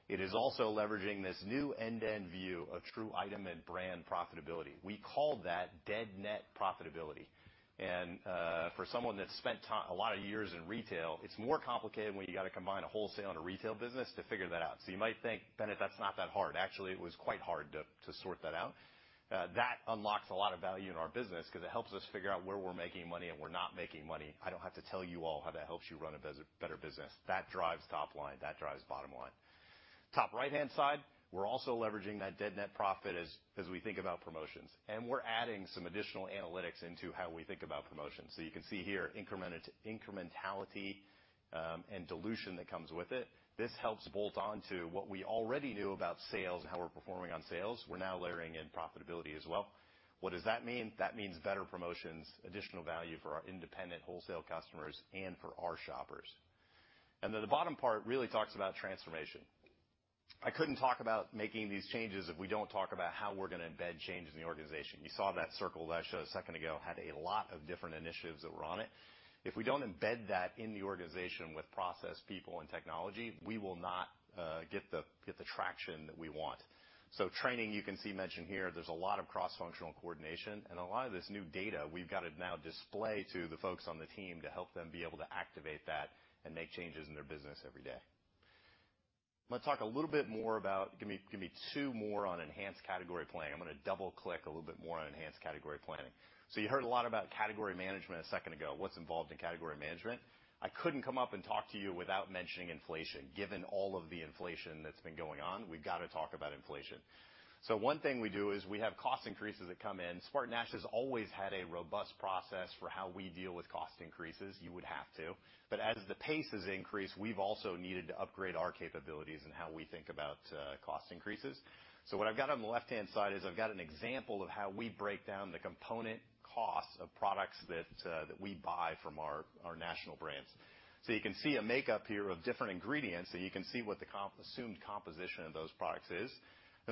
Speaker 7: It is also leveraging this new end-to-end view of true item and brand profitability. We call that dead net profitability. For someone that's spent a lot of years in retail, it's more complicated when you gotta combine a wholesale and a retail business to figure that out. You might think, "Bennett, that's not that hard." Actually, it was quite hard to sort that out. That unlocks a lot of value in our business because it helps us figure out where we're making money and we're not making money. I don't have to tell you all how that helps you run a better business. That drives top line, that drives bottom line. Top right-hand side, we're also leveraging that dead net profitability as we think about promotions, and we're adding some additional analytics into how we think about promotions. You can see here incrementality and dilution that comes with it. This helps bolt on to what we already knew about sales and how we're performing on sales. We're now layering in profitability as well. What does that mean? That means better promotions, additional value for our independent wholesale customers and for our shoppers. The bottom part really talks about transformation. I couldn't talk about making these changes if we don't talk about how we're gonna embed change in the organization. You saw that circle that I showed a second ago. It had a lot of different initiatives that were on it. If we don't embed that in the organization with process, people, and technology, we will not get the traction that we want. Training, you can see mentioned here, there's a lot of cross-functional coordination, and a lot of this new data we've got to now display to the folks on the team to help them be able to activate that and make changes in their business every day. I'm gonna talk a little bit more about. Give me two more on enhanced category planning. I'm gonna double-click a little bit more on enhanced category planning. You heard a lot about category management a second ago. What's involved in category management? I couldn't come up and talk to you without mentioning inflation. Given all of the inflation that's been going on, we've gotta talk about inflation. One thing we do is we have cost increases that come in. SpartanNash has always had a robust process for how we deal with cost increases. You would have to. As the pace has increased, we've also needed to upgrade our capabilities and how we think about cost increases. What I've got on the left-hand side is I've got an example of how we break down the component costs of products that we buy from our national brands. You can see a makeup here of different ingredients, and you can see what the assumed composition of those products is.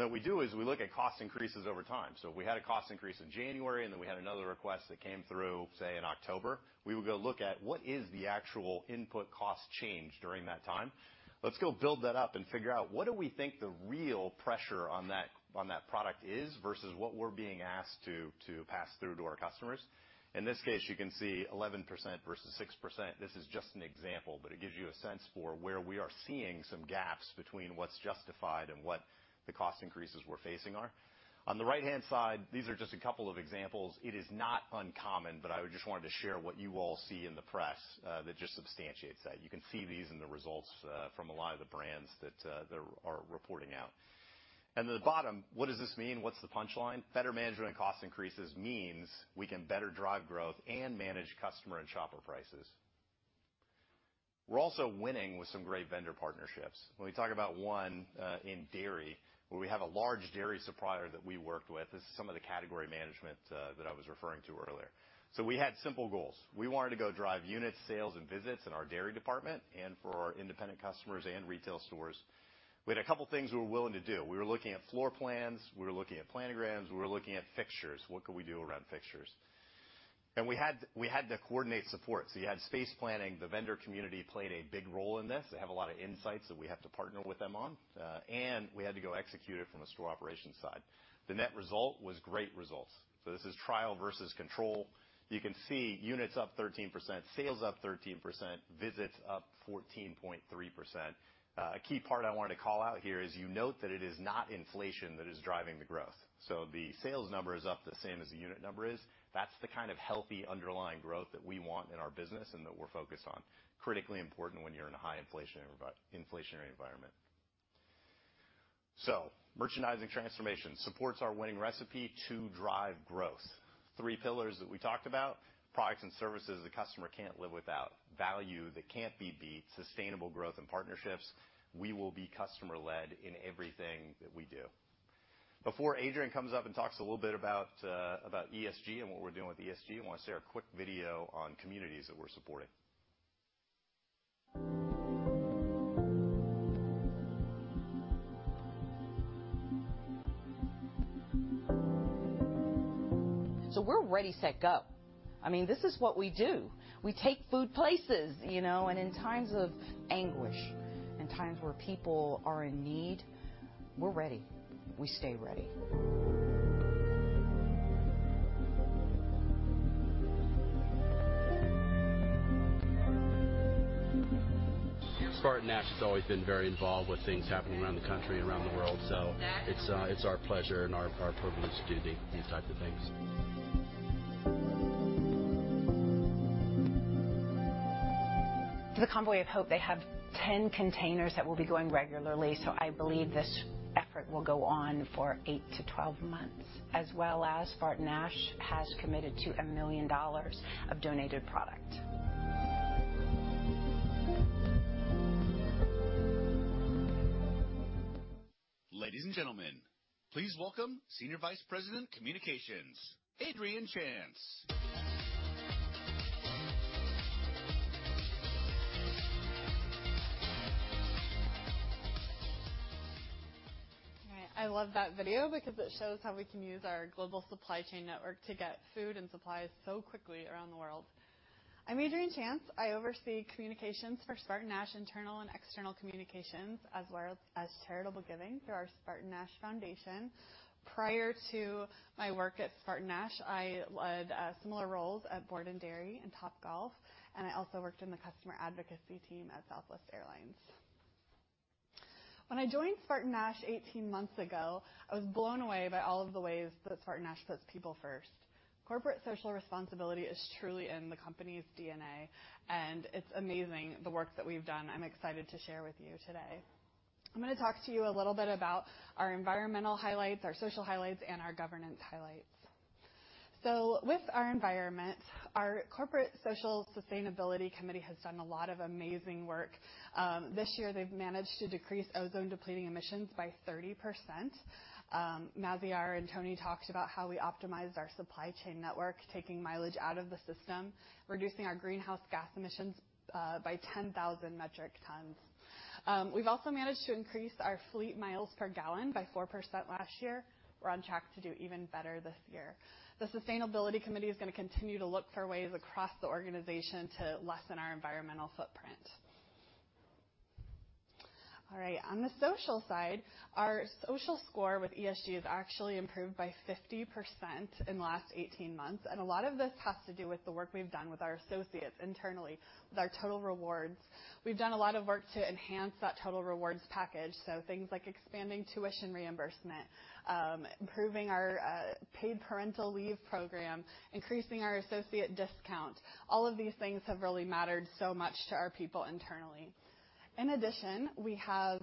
Speaker 7: What we do is we look at cost increases over time. If we had a cost increase in January, and then we had another request that came through, say, in October, we would go look at what is the actual input cost change during that time. Let's go build that up and figure out what do we think the real pressure on that, on that product is versus what we're being asked to pass through to our customers. In this case, you can see 11% versus 6%. This is just an example, but it gives you a sense for where we are seeing some gaps between what's justified and what the cost increases we're facing are. On the right-hand side, these are just a couple of examples. It is not uncommon, but I just wanted to share what you all see in the press that just substantiates that. You can see these in the results from a lot of the brands that are reporting out. At the bottom, what does this mean? What's the punchline? Better management of cost increases means we can better drive growth and manage customer and shopper prices. We're also winning with some great vendor partnerships. When we talk about one in dairy, where we have a large dairy supplier that we worked with. This is some of the category management that I was referring to earlier. We had simple goals. We wanted to go drive unit sales and visits in our dairy department, and for our independent customers and retail stores. We had a couple things we were willing to do. We were looking at floor plans, we were looking at planograms, we were looking at fixtures, what could we do around fixtures? We had to coordinate support. You had space planning. The vendor community played a big role in this. They have a lot of insights that we have to partner with them on. We had to go execute it from the store operations side. The net result was great results. This is trial versus control. You can see units up 13%, sales up 13%, visits up 14.3%. A key part I wanted to call out here is you note that it is not inflation that is driving the growth. The sales number is up the same as the unit number is. That's the kind of healthy underlying growth that we want in our business and that we're focused on. Critically important when you're in a high inflation inflationary environment. Merchandising transformation supports Our Winning Recipe to drive growth. Three pillars that we talked about, products and services the customer can't live without, value that can't be beat, sustainable growth and partnerships. We will be customer-led in everything that we do. Before Adrienne comes up and talks a little bit about about ESG and what we're doing with ESG, I wanna share a quick video on communities that we're supporting.
Speaker 2: We're ready, set, go. I mean, this is what we do. We take food places, you know, and in times of anguish, in times where people are in need, we're ready. We stay ready. SpartanNash has always been very involved with things happening around the country and around the world. It's our pleasure and our privilege to do these types of things. The Convoy of Hope, they have 10 containers that will be going regularly, so I believe this effort will go on for 8-12 months, as well as SpartanNash has committed to $1 million of donated product.
Speaker 4: Ladies and gentlemen, please welcome Senior Vice President, Communications, Adrienne Chance.
Speaker 8: All right, I love that video because it shows how we can use our global supply chain network to get food and supplies so quickly around the world. I'm Adrienne Chance. I oversee communications for SpartanNash internal and external communications, as well as charitable giving through our SpartanNash Foundation. Prior to my work at SpartanNash, I led similar roles at Borden Dairy and Topgolf, and I also worked in the customer advocacy team at Southwest Airlines. When I joined SpartanNash 18 months ago, I was blown away by all of the ways that SpartanNash puts people first. Corporate social responsibility is truly in the company's DNA, and it's amazing the work that we've done. I'm excited to share with you today. I'm gonna talk to you a little bit about our environmental highlights, our social highlights, and our governance highlights. With our environment, our corporate social sustainability committee has done a lot of amazing work. This year they've managed to decrease ozone depleting emissions by 30%. Masiar and Tony talked about how we optimized our supply chain network, taking mileage out of the system, reducing our greenhouse gas emissions by 10,000 metric tons. We've also managed to increase our fleet miles per gallon by 4% last year. We're on track to do even better this year. The sustainability committee is gonna continue to look for ways across the organization to lessen our environmental footprint. All right, on the social side, our social score with ESG has actually improved by 50% in the last 18 months, and a lot of this has to do with the work we've done with our associates internally, with our total rewards. We've done a lot of work to enhance that total rewards package, so things like expanding tuition reimbursement, improving our paid parental leave program, increasing our associate discount. All of these things have really mattered so much to our people internally. In addition, we have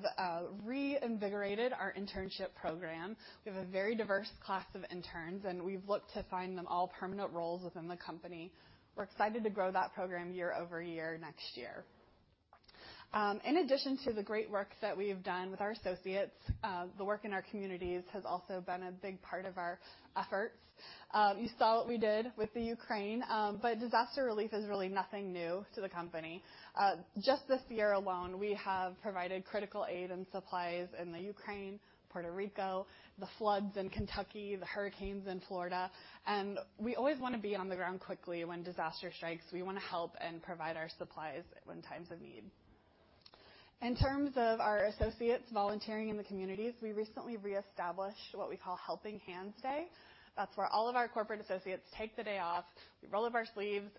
Speaker 8: reinvigorated our internship program. We have a very diverse class of interns, and we've looked to find them all permanent roles within the company. We're excited to grow that program year over year next year. In addition to the great work that we've done with our associates, the work in our communities has also been a big part of our efforts. You saw what we did with the Ukraine, but disaster relief is really nothing new to the company. Just this year alone, we have provided critical aid and supplies in the Ukraine, Puerto Rico, the floods in Kentucky, the hurricanes in Florida, and we always wanna be on the ground quickly when disaster strikes. We wanna help and provide our supplies in times of need. In terms of our associates volunteering in the communities, we recently reestablished what we call Helping Hands Day. That's where all of our corporate associates take the day off, we roll up our sleeves,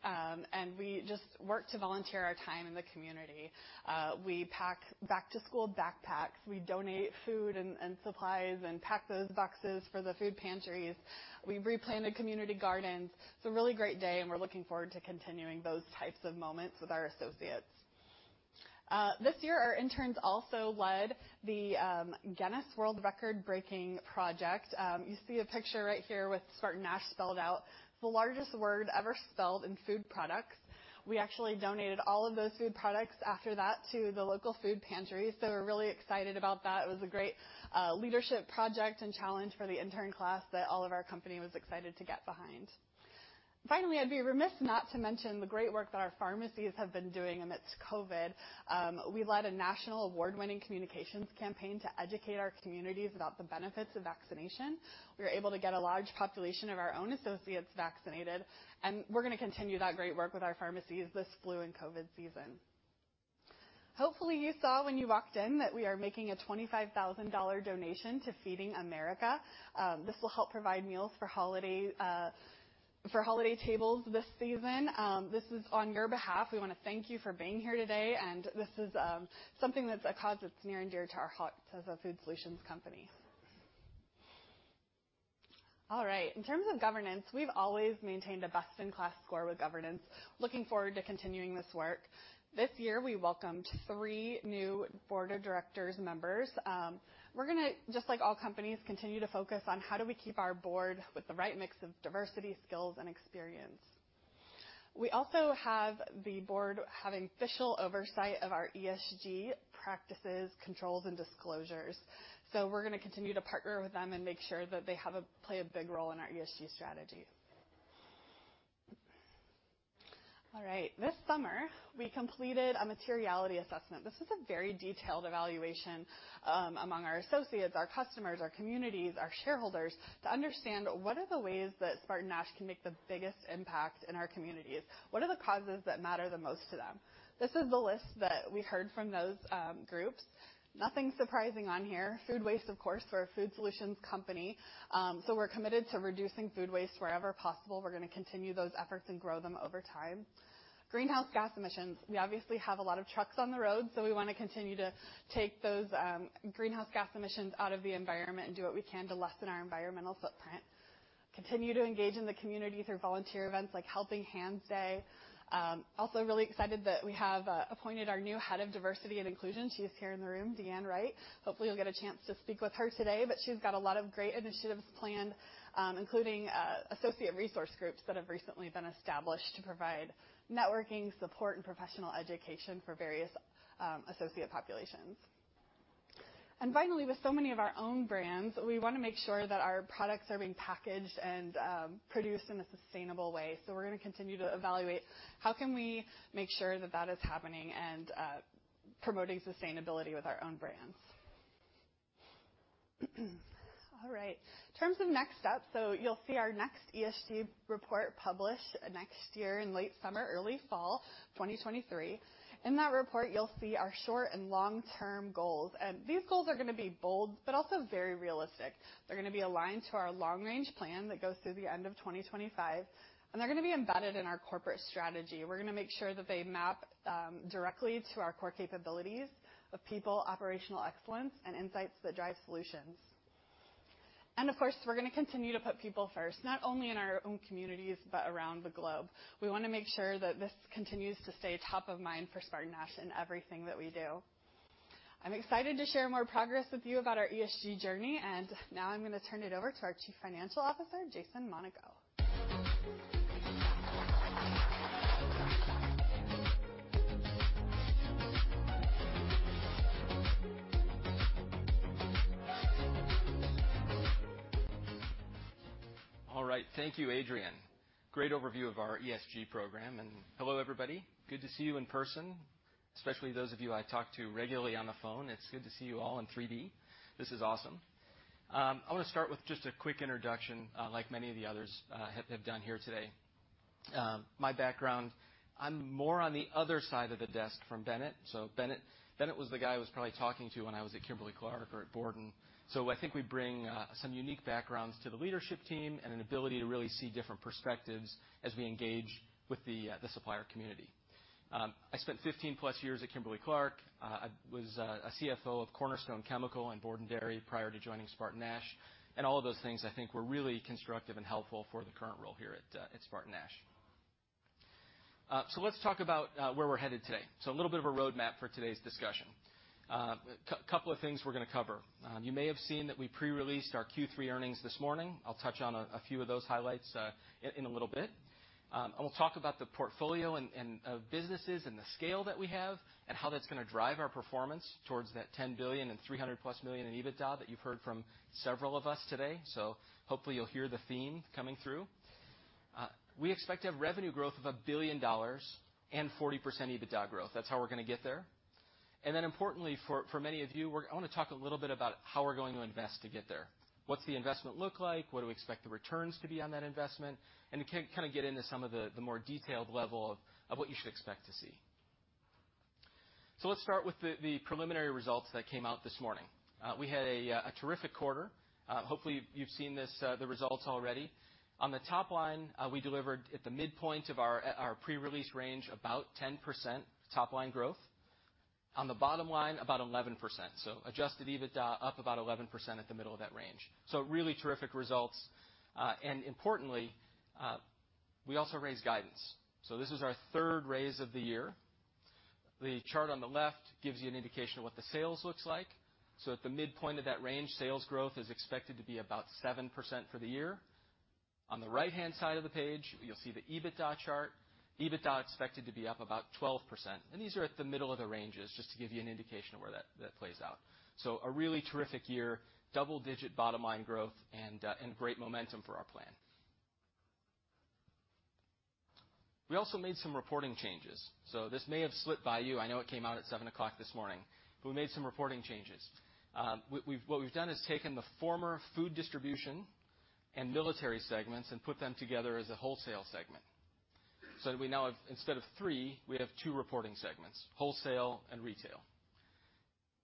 Speaker 8: and we just work to volunteer our time in the community. We pack back-to-school backpacks. We donate food and supplies and pack those boxes for the food pantries. We replant the community gardens. It's a really great day, and we're looking forward to continuing those types of moments with our associates. This year, our interns also led the Guinness World Records-breaking project. You see a picture right here with SpartanNash spelled out, the largest word ever spelled in food products. We actually donated all of those food products after that to the local food pantries. We're really excited about that. It was a great leadership project and challenge for the intern class that all of our company was excited to get behind. Finally, I'd be remiss not to mention the great work that our pharmacies have been doing amidst COVID. We led a national award-winning communications campaign to educate our communities about the benefits of vaccination. We were able to get a large population of our own associates vaccinated, and we're gonna continue that great work with our pharmacies this flu and COVID season. Hopefully, you saw when you walked in that we are making a $25,000 donation to Feeding America. This will help provide meals for holiday tables this season. This is on your behalf. We wanna thank you for being here today, and this is something that's a cause that's near and dear to our hearts as a food solutions company. All right, in terms of governance, we've always maintained a best-in-class score with governance. Looking forward to continuing this work. This year, we welcomed three new board of directors members. We're gonna, just like all companies, continue to focus on how do we keep our board with the right mix of diversity, skills, and experience. We also have the board having official oversight of our ESG practices, controls, and disclosures. We're gonna continue to partner with them and make sure that they play a big role in our ESG strategy. All right, this summer, we completed a materiality assessment. This is a very detailed evaluation among our associates, our customers, our communities, our shareholders to understand what are the ways that SpartanNash can make the biggest impact in our communities? What are the causes that matter the most to them? This is the list that we heard from those groups. Nothing surprising on here. Food waste, of course, we're a food solutions company. We're committed to reducing food waste wherever possible. We're gonna continue those efforts and grow them over time. Greenhouse gas emissions. We obviously have a lot of trucks on the road, so we wanna continue to take those greenhouse gas emissions out of the environment and do what we can to lessen our environmental footprint. Continue to engage in the community through volunteer events like Helping Hands Day. Also really excited that we have appointed our new head of diversity and inclusion. She is here in the room, Deanne Wright. Hopefully, you'll get a chance to speak with her today, but she's got a lot of great initiatives planned, including associate resource groups that have recently been established to provide networking, support, and professional education for various associate populations. Finally, with so many of our own brands, we wanna make sure that our products are being packaged and produced in a sustainable way. We're gonna continue to evaluate how can we make sure that that is happening and promoting sustainability with our own brands. All right. In terms of next steps, you'll see our next ESG report published next year in late summer, early fall, 2023. In that report, you'll see our short and long-term goals. These goals are gonna be bold but also very realistic. They're gonna be aligned to our long range plan that goes through the end of 2025, and they're gonna be embedded in our corporate strategy. We're gonna make sure that they map directly to our core capabilities of people, operational excellence, and insights that drive solutions. Of course, we're gonna continue to put people first, not only in our own communities, but around the globe. We wanna make sure that this continues to stay top of mind for SpartanNash in everything that we do. I'm excited to share more progress with you about our ESG journey, and now I'm gonna turn it over to our Chief Financial Officer, Jason Monaco.
Speaker 9: All right. Thank you, Adrienne. Great overview of our ESG program. Hello, everybody. Good to see you in person, especially those of you I talk to regularly on the phone. It's good to see you all in 3D. This is awesome. I wanna start with just a quick introduction, like many of the others have done here today. My background, I'm more on the other side of the desk from Bennett. Bennett was the guy I was probably talking to when I was at Kimberly-Clark or at Borden. I think we bring some unique backgrounds to the leadership team and an ability to really see different perspectives as we engage with the supplier community. I spent 15+ years at Kimberly-Clark. I was a CFO of Cornerstone Chemical and Borden Dairy prior to joining SpartanNash. All of those things I think were really constructive and helpful for the current role here at SpartanNash. Let's talk about where we're headed today. A little bit of a roadmap for today's discussion. Couple of things we're gonna cover. You may have seen that we pre-released our Q3 earnings this morning. I'll touch on a few of those highlights in a little bit. I will talk about the portfolio of businesses and the scale that we have and how that's gonna drive our performance towards that $10 billion and $300+ million in EBITDA that you've heard from several of us today. Hopefully, you'll hear the theme coming through. We expect to have revenue growth of $1 billion and 40% EBITDA growth. That's how we're gonna get there. Importantly, for many of you, I wanna talk a little bit about how we're going to invest to get there. What's the investment look like? What do we expect the returns to be on that investment? Kinda get into some of the more detailed level of what you should expect to see. Let's start with the preliminary results that came out this morning. We had a terrific quarter. Hopefully you've seen this, the results already. On the top line, we delivered at the midpoint of our pre-release range about 10% top-line growth. On the bottom line, about 11%. Adjusted EBITDA up about 11% at the middle of that range. Really terrific results. Importantly, we also raised guidance. This is our third raise of the year. The chart on the left gives you an indication of what the sales looks like. At the midpoint of that range, sales growth is expected to be about 7% for the year. On the right-hand side of the page, you'll see the EBITDA chart. EBITDA expected to be up about 12%, and these are at the middle of the ranges, just to give you an indication of where that plays out. A really terrific year, double-digit bottom line growth, and great momentum for our plan. We also made some reporting changes, so this may have slipped by you. I know it came out at 7:00 A.M. this morning, but we made some reporting changes. What we've done is taken the former food distribution and military segments and put them together as a Wholesale segment. We now have, instead of three, we have two reporting segments, wholesale and retail.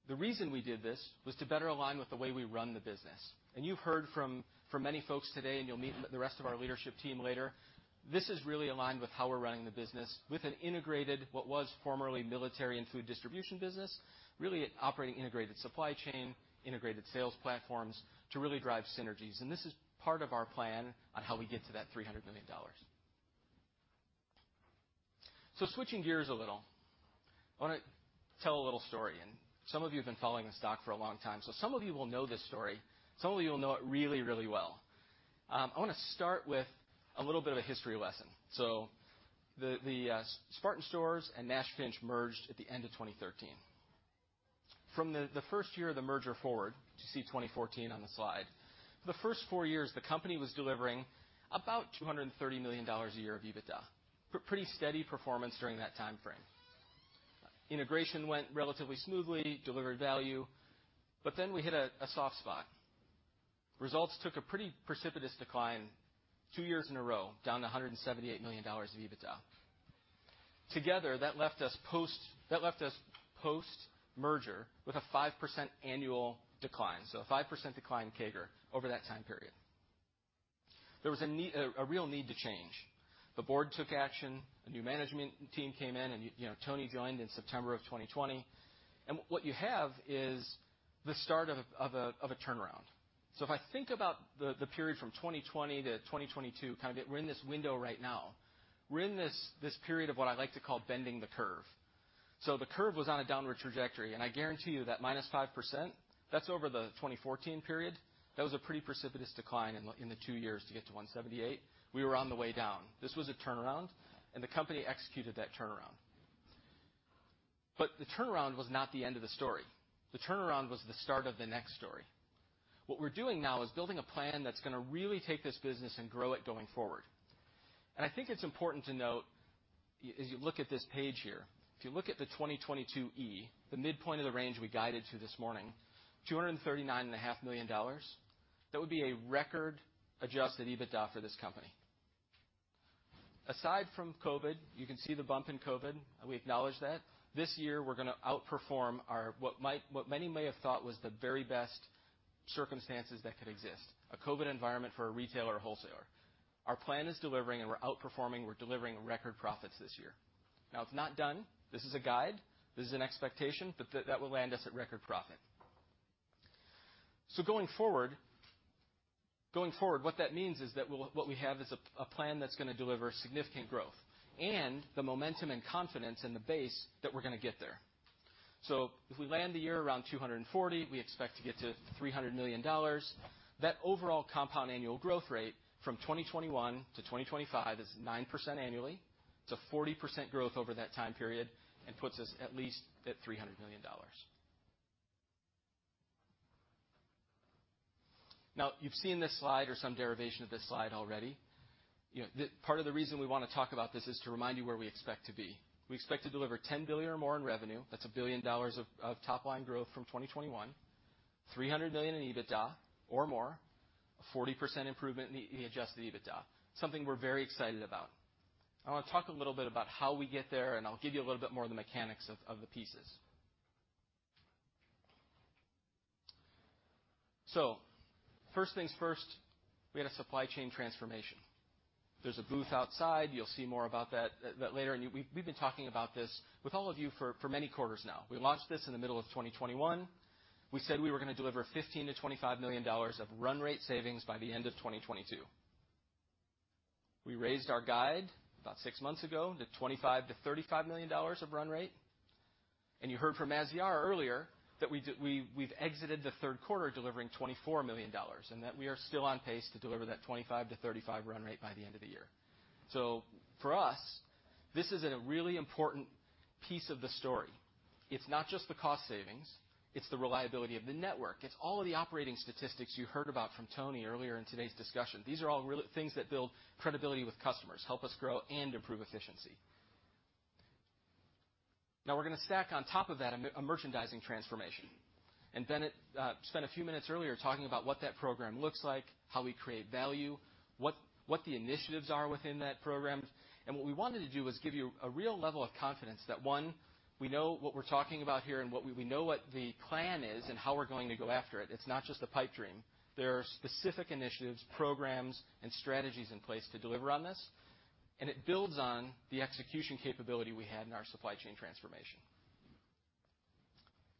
Speaker 9: The reason we did this was to better align with the way we run the business. You've heard from many folks today, and you'll meet the rest of our leadership team later. This is really aligned with how we're running the business with an integrated, what was formerly military and food distribution business, really operating integrated supply chain, integrated sales platforms to really drive synergies. This is part of our plan on how we get to that $300 million. Switching gears a little, I wanna tell a little story. Some of you have been following the stock for a long time, so some of you will know this story. Some of you will know it really, really well. I want to start with a little bit of a history lesson. The Spartan Stores and Nash Finch merged at the end of 2013. From the first year of the merger forward, to see 2014 on the slide, the first four years, the company was delivering about $230 million a year of EBITDA. Pretty steady performance during that time frame. Integration went relatively smoothly, delivered value, but then we hit a soft spot. Results took a pretty precipitous decline two years in a row, down to $178 million of EBITDA. Together, that left us post-merger with a 5% annual decline, so a 5% decline in CAGR over that time period. There was a real need to change. The board took action. A new management team came in and you know, Tony joined in September of 2020. What you have is the start of a turnaround. If I think about the period from 2020 to 2022, kind of we're in this window right now. We're in this period of what I like to call bending the curve. The curve was on a downward trajectory, and I guarantee you that -5%, that's over the 2014 period. That was a pretty precipitous decline in the two years to get to 178. We were on the way down. This was a turnaround, and the company executed that turnaround. The turnaround was not the end of the story. The turnaround was the start of the next story. What we're doing now is building a plan that's gonna really take this business and grow it going forward. I think it's important to note, as you look at this page here, if you look at the 2022 E, the midpoint of the range we guided to this morning, $239.5 million, that would be a record Adjusted EBITDA for this company. Aside from COVID, you can see the bump in COVID, and we acknowledge that. This year we're gonna outperform what many may have thought was the very best circumstances that could exist, a COVID environment for a retailer or wholesaler. Our plan is delivering, and we're outperforming. We're delivering record profits this year. Now, it's not done. This is a guide. This is an expectation, but that will land us at record profit. Going forward, what that means is that what we have is a plan that's gonna deliver significant growth and the momentum and confidence in the base that we're gonna get there. If we end the year around 240, we expect to get to $300 million. That overall compound annual growth rate from 2021 to 2025 is 9% annually. It's a 40% growth over that time period and puts us at least at $300 million. Now, you've seen this slide or some derivation of this slide already. You know, the part of the reason we wanna talk about this is to remind you where we expect to be. We expect to deliver $10 billion or more in revenue. That's $1 billion of top-line growth from 2021. $300 million in EBITDA or more. A 40% improvement in the Adjusted EBITDA, something we're very excited about. I want to talk a little bit about how we get there, and I'll give you a little bit more of the mechanics of the pieces. First things first, we had a supply chain transformation. There's a booth outside. You'll see more about that later. We've been talking about this with all of you for many quarters now. We launched this in the middle of 2021. We said we were gonna deliver $15-$25 million of run-rate savings by the end of 2022. We raised our guide about six months ago to $25-$35 million of run-rate. You heard from Masiar earlier that we've exited the third quarter delivering $24 million, and that we are still on pace to deliver that $25 million-$35 million run-rate by the end of the year. For us, this is a really important piece of the story. It's not just the cost savings, it's the reliability of the network. It's all of the operating statistics you heard about from Tony earlier in today's discussion. These are all really things that build credibility with customers, help us grow and improve efficiency. Now we're gonna stack on top of that a merchandising transformation. Bennett spent a few minutes earlier talking about what that program looks like, how we create value, what the initiatives are within that program. What we wanted to do was give you a real level of confidence that one, we know what we're talking about here and what we know what the plan is and how we're going to go after it. It's not just a pipe dream. There are specific initiatives, programs, and strategies in place to deliver on this, and it builds on the execution capability we had in our supply chain transformation.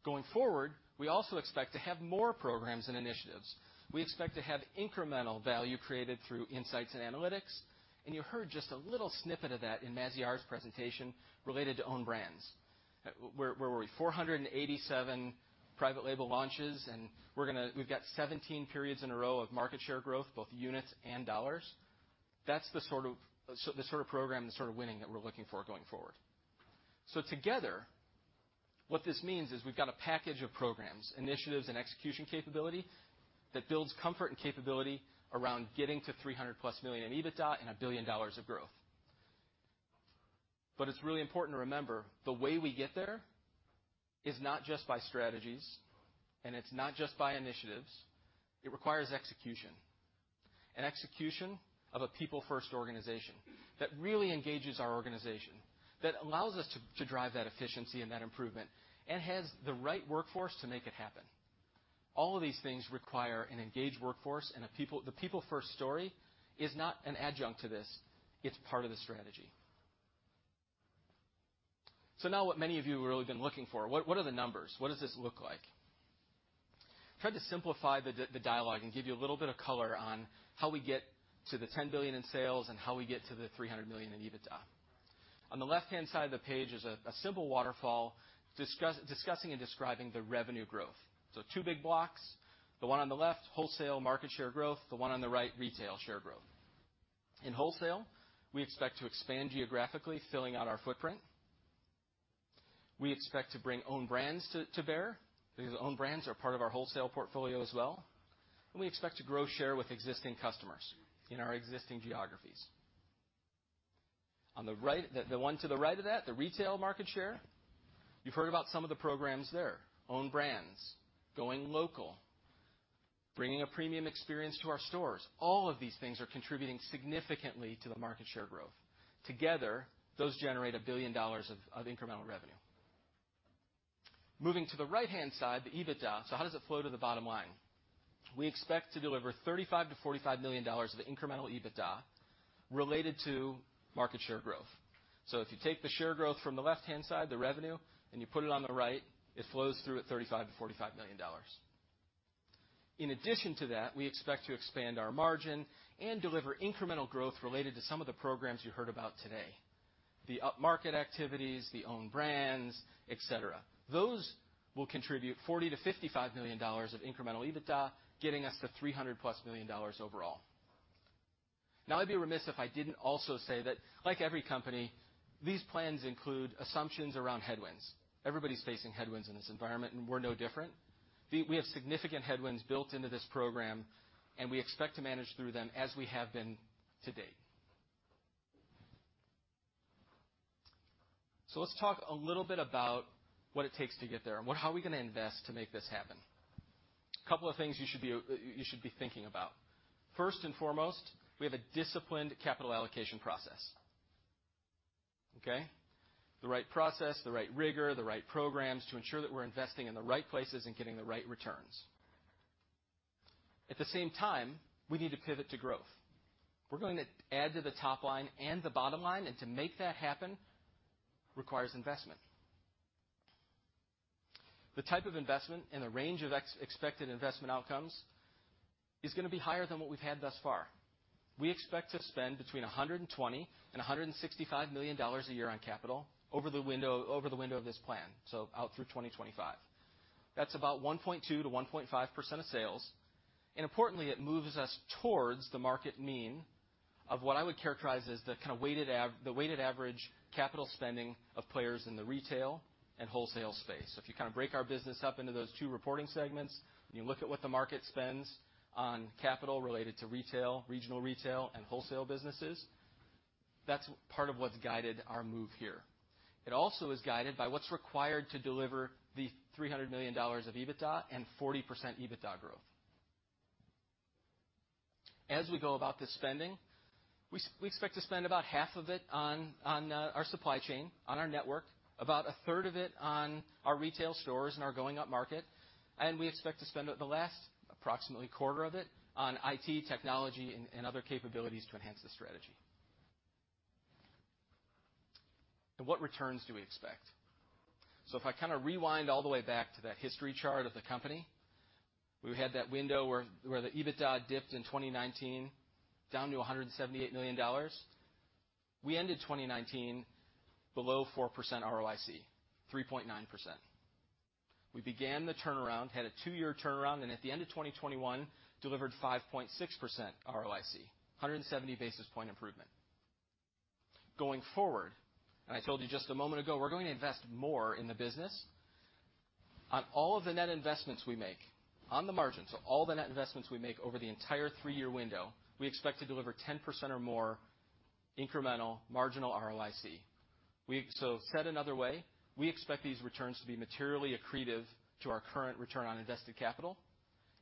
Speaker 9: Going forward, we also expect to have more programs and initiatives. We expect to have incremental value created through insights and analytics, and you heard just a little snippet of that in Masiar's presentation related to own brands. Where were we? 487 private label launches, and we've got 17 periods in a row of market share growth, both units and dollars. That's the sort of program, the sort of winning that we're looking for going forward. Together, what this means is we've got a package of programs, initiatives, and execution capability that builds comfort and capability around getting to $300+ million in EBITDA and $1 billion of growth. It's really important to remember, the way we get there is not just by strategies, and it's not just by initiatives, it requires execution. Execution of a people-first organization that really engages our organization, that allows us to drive that efficiency and that improvement and has the right workforce to make it happen. All of these things require an engaged workforce and a people-first story. The people-first story is not an adjunct to this, it's part of the strategy. Now what many of you have really been looking for, what are the numbers? What does this look like? Tried to simplify the dialogue and give you a little bit of color on how we get to the $10 billion in sales and how we get to the $300 million in EBITDA. On the left-hand side of the page is a simple waterfall discussing and describing the revenue growth. Two big blocks. The one on the left, wholesale market share growth. The one on the right, retail share growth. In wholesale, we expect to expand geographically, filling out our footprint. We expect to bring own brands to bear, because own brands are part of our wholesale portfolio as well. We expect to grow share with existing customers in our existing geographies. The one to the right of that, the retail market share. You've heard about some of the programs there. Own brands, going local, bringing a premium experience to our stores. All of these things are contributing significantly to the market share growth. Together, those generate $1 billion of incremental revenue. Moving to the right-hand side, the EBITDA. So how does it flow to the bottom line? We expect to deliver $35 million to $45 million of incremental EBITDA related to market share growth. So if you take the share growth from the left-hand side, the revenue, and you put it on the right, it flows through at $35 million to $45 million. In addition to that, we expect to expand our margin and deliver incremental growth related to some of the programs you heard about today. The upmarket activities, the own brands, et cetera. Those will contribute $40 million-$55 million of incremental EBITDA, getting us to $300+ million overall. Now I'd be remiss if I didn't also say that like every company, these plans include assumptions around headwinds. Everybody's facing headwinds in this environment, and we're no different. We have significant headwinds built into this program, and we expect to manage through them as we have been to date. Let's talk a little bit about what it takes to get there and how are we gonna invest to make this happen? A couple of things you should be thinking about. First and foremost, we have a disciplined Capital Allocation process. Okay? The right process, the right rigor, the right programs to ensure that we're investing in the right places and getting the right returns. At the same time, we need to pivot to growth. We're going to add to the top line and the bottom line, and to make that happen requires investment. The type of investment and the range of expected investment outcomes is gonna be higher than what we've had thus far. We expect to spend between $120 million and $165 million a year on capital over the window of this plan, so out through 2025. That's about 1.2% to 1.5% of sales. Importantly, it moves us towards the market mean of what I would characterize as the kind of weighted average capital spending of players in the retail and wholesale space. If you kind of break our business up into those two reporting segments, and you look at what the market spends on capital related to retail, regional retail, and wholesale businesses, that's part of what's guided our move here. It also is guided by what's required to deliver the $300 million of EBITDA and 40% EBITDA growth. As we go about this spending, we expect to spend about half of it on our supply chain, on our network, about a third of it on our retail stores and our going up market, and we expect to spend the last approximately quarter of it on IT, technology, and other capabilities to enhance the strategy. What returns do we expect? If I kind of rewind all the way back to that history chart of the company, where we had that window where the EBITDA dipped in 2019 down to $178 million. We ended 2019 below 4% ROIC, 3.9%. We began the turnaround, had a two-year turnaround, and at the end of 2021, delivered 5.6% ROIC, 170 basis point improvement. Going forward, and I told you just a moment ago, we're going to invest more in the business. On all of the net investments we make, on the margins, all the net investments we make over the entire three-year window, we expect to deliver 10% or more incremental marginal ROIC. Said another way, we expect these returns to be materially accretive to our current return on invested capital,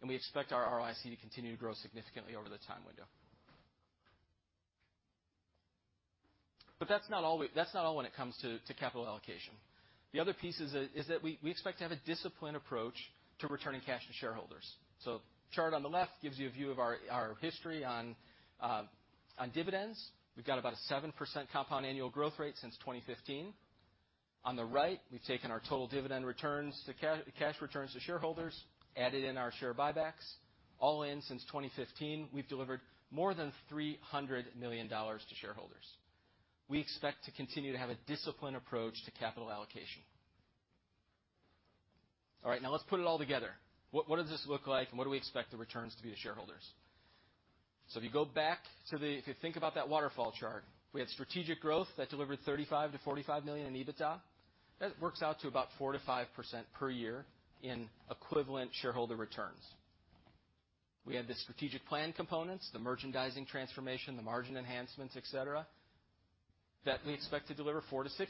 Speaker 9: and we expect our ROIC to continue to grow significantly over the time window. That's not all when it comes to Capital Allocation. The other piece is that we expect to have a disciplined approach to returning cash to shareholders. Chart on the left gives you a view of our history on dividends. We've got about a 7% compound annual growth rate since 2015. On the right, we've taken our total dividend returns to cash returns to shareholders, added in our share buybacks. All in, since 2015, we've delivered more than $300 million to shareholders. We expect to continue to have a disciplined approach to Capital Allocation. All right, now let's put it all together. What does this look like and what do we expect the returns to be to shareholders? If you think about that waterfall chart, we had strategic growth that delivered $35 million to $45 million in EBITDA. That works out to about 4% to 5% per year in equivalent shareholder returns. We had the strategic plan components, the merchandising transformation, the margin enhancements, et cetera, that we expect to deliver 4% to 6%.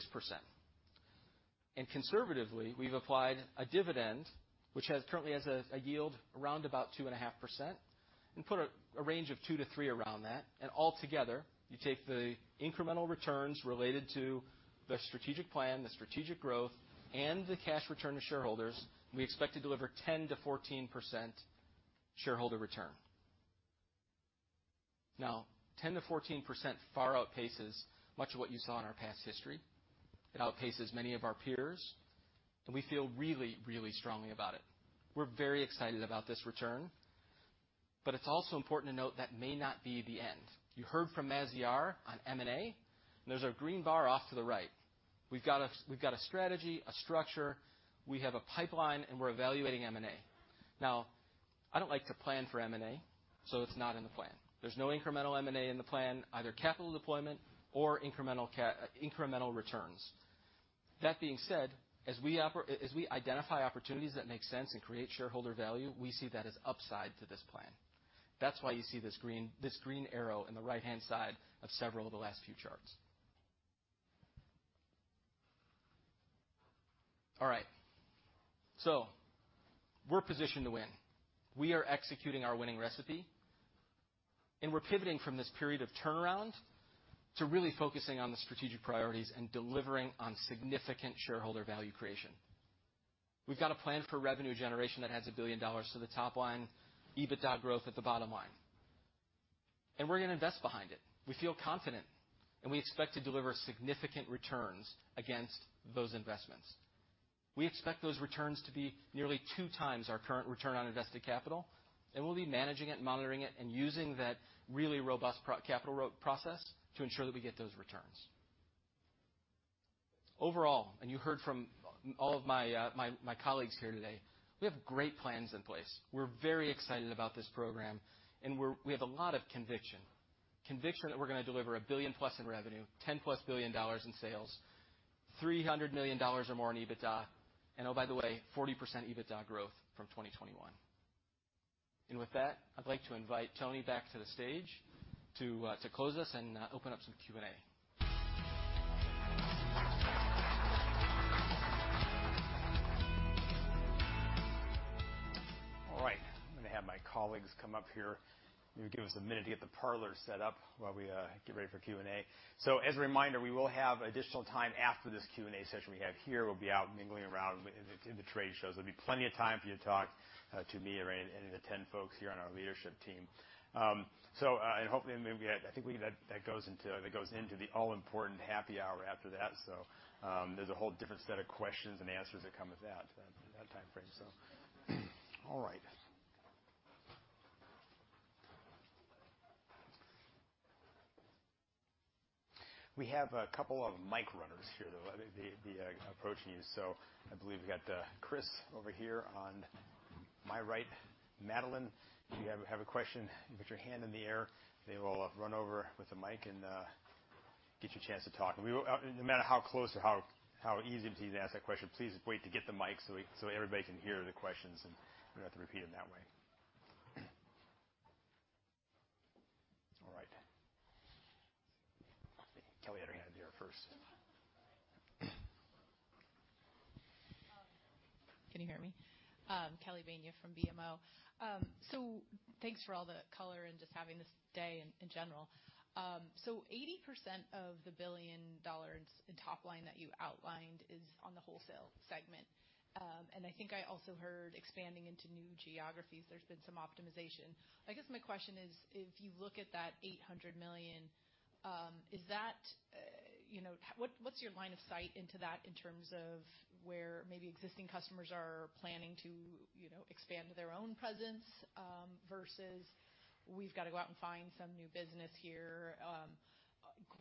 Speaker 9: Conservatively, we've applied a dividend which currently has a yield around about 2.5% and put a range of 2% to 3% around that. Altogether, you take the incremental returns related to the strategic plan, the strategic growth, and the cash return to shareholders, and we expect to deliver 10%-14% shareholder return. Now, 10%-14% far outpaces much of what you saw in our past history. It outpaces many of our peers, and we feel really, really strongly about it. We're very excited about this return, but it's also important to note that may not be the end. You heard from Masiar on M&A, and there's our green bar off to the right. We've got a strategy, a structure, we have a pipeline, and we're evaluating M&A. Now, I don't like to plan for M&A, so it's not in the plan. There's no incremental M&A in the plan, either capital deployment or incremental returns. That being said, as we identify opportunities that make sense and create shareholder value, we see that as upside to this plan. That's why you see this green arrow in the right-hand side of several of the last few charts. All right. We're positioned to win. We are executing Our Winning Recipe, and we're pivoting from this period of turnaround to really focusing on the strategic priorities and delivering on significant shareholder value creation. We've got a plan for revenue generation that adds $1 billion to the top line, EBITDA growth at the bottom line. We're gonna invest behind it. We feel confident, and we expect to deliver significant returns against those investments. We expect those returns to be nearly 2x our current return on invested capital, and we'll be managing it, monitoring it, and using that really robust Capital Allocation process to ensure that we get those returns. Overall, you heard from all of my colleagues here today, we have great plans in place. We're very excited about this program, and we have a lot of conviction. Conviction that we're gonna deliver $1+ billion in revenue, $10+ billion in sales, $300 million or more in EBITDA, and by the way, 40% EBITDA growth from 2021. With that, I'd like to invite Tony back to the stage to close this and open up some Q&A.
Speaker 5: All right. I'm gonna have my colleagues come up here. Maybe give us a minute to get the parlor set up while we get ready for Q&A. As a reminder, we will have additional time after this Q&A session we have here. We'll be out mingling around in the trade shows. There'll be plenty of time for you to talk to me or any of the ten folks here on our leadership team. Hopefully, maybe I think we can. That goes into the all-important happy hour after that. There's a whole different set of questions and answers that come with that timeframe. All right. We have a couple of mic runners here that will, I think, be approaching you. I believe we've got Chris over here on my right.
Speaker 9: Madeline, if you have a question, you can put your hand in the air. They will run over with the mic and get you a chance to talk. No matter how close or how easy it is for you to ask that question, please wait to get the mic so everybody can hear the questions, and we don't have to repeat them that way. All right. Kelly had her hand in the air first.
Speaker 10: Can you hear me? Kelly Bania from BMO. Thanks for all the color and just having this day in general. 80% of the $1 billion in top line that you outlined is on the Wholesale segment. I think I also heard expanding into new geographies. There's been some optimization. I guess my question is, if you look at that $800 million, is that, you know, what your line of sight into that in terms of where maybe .xisting customers are planning to, you know, expand their own presence, versus we've got to go out and find some new business here,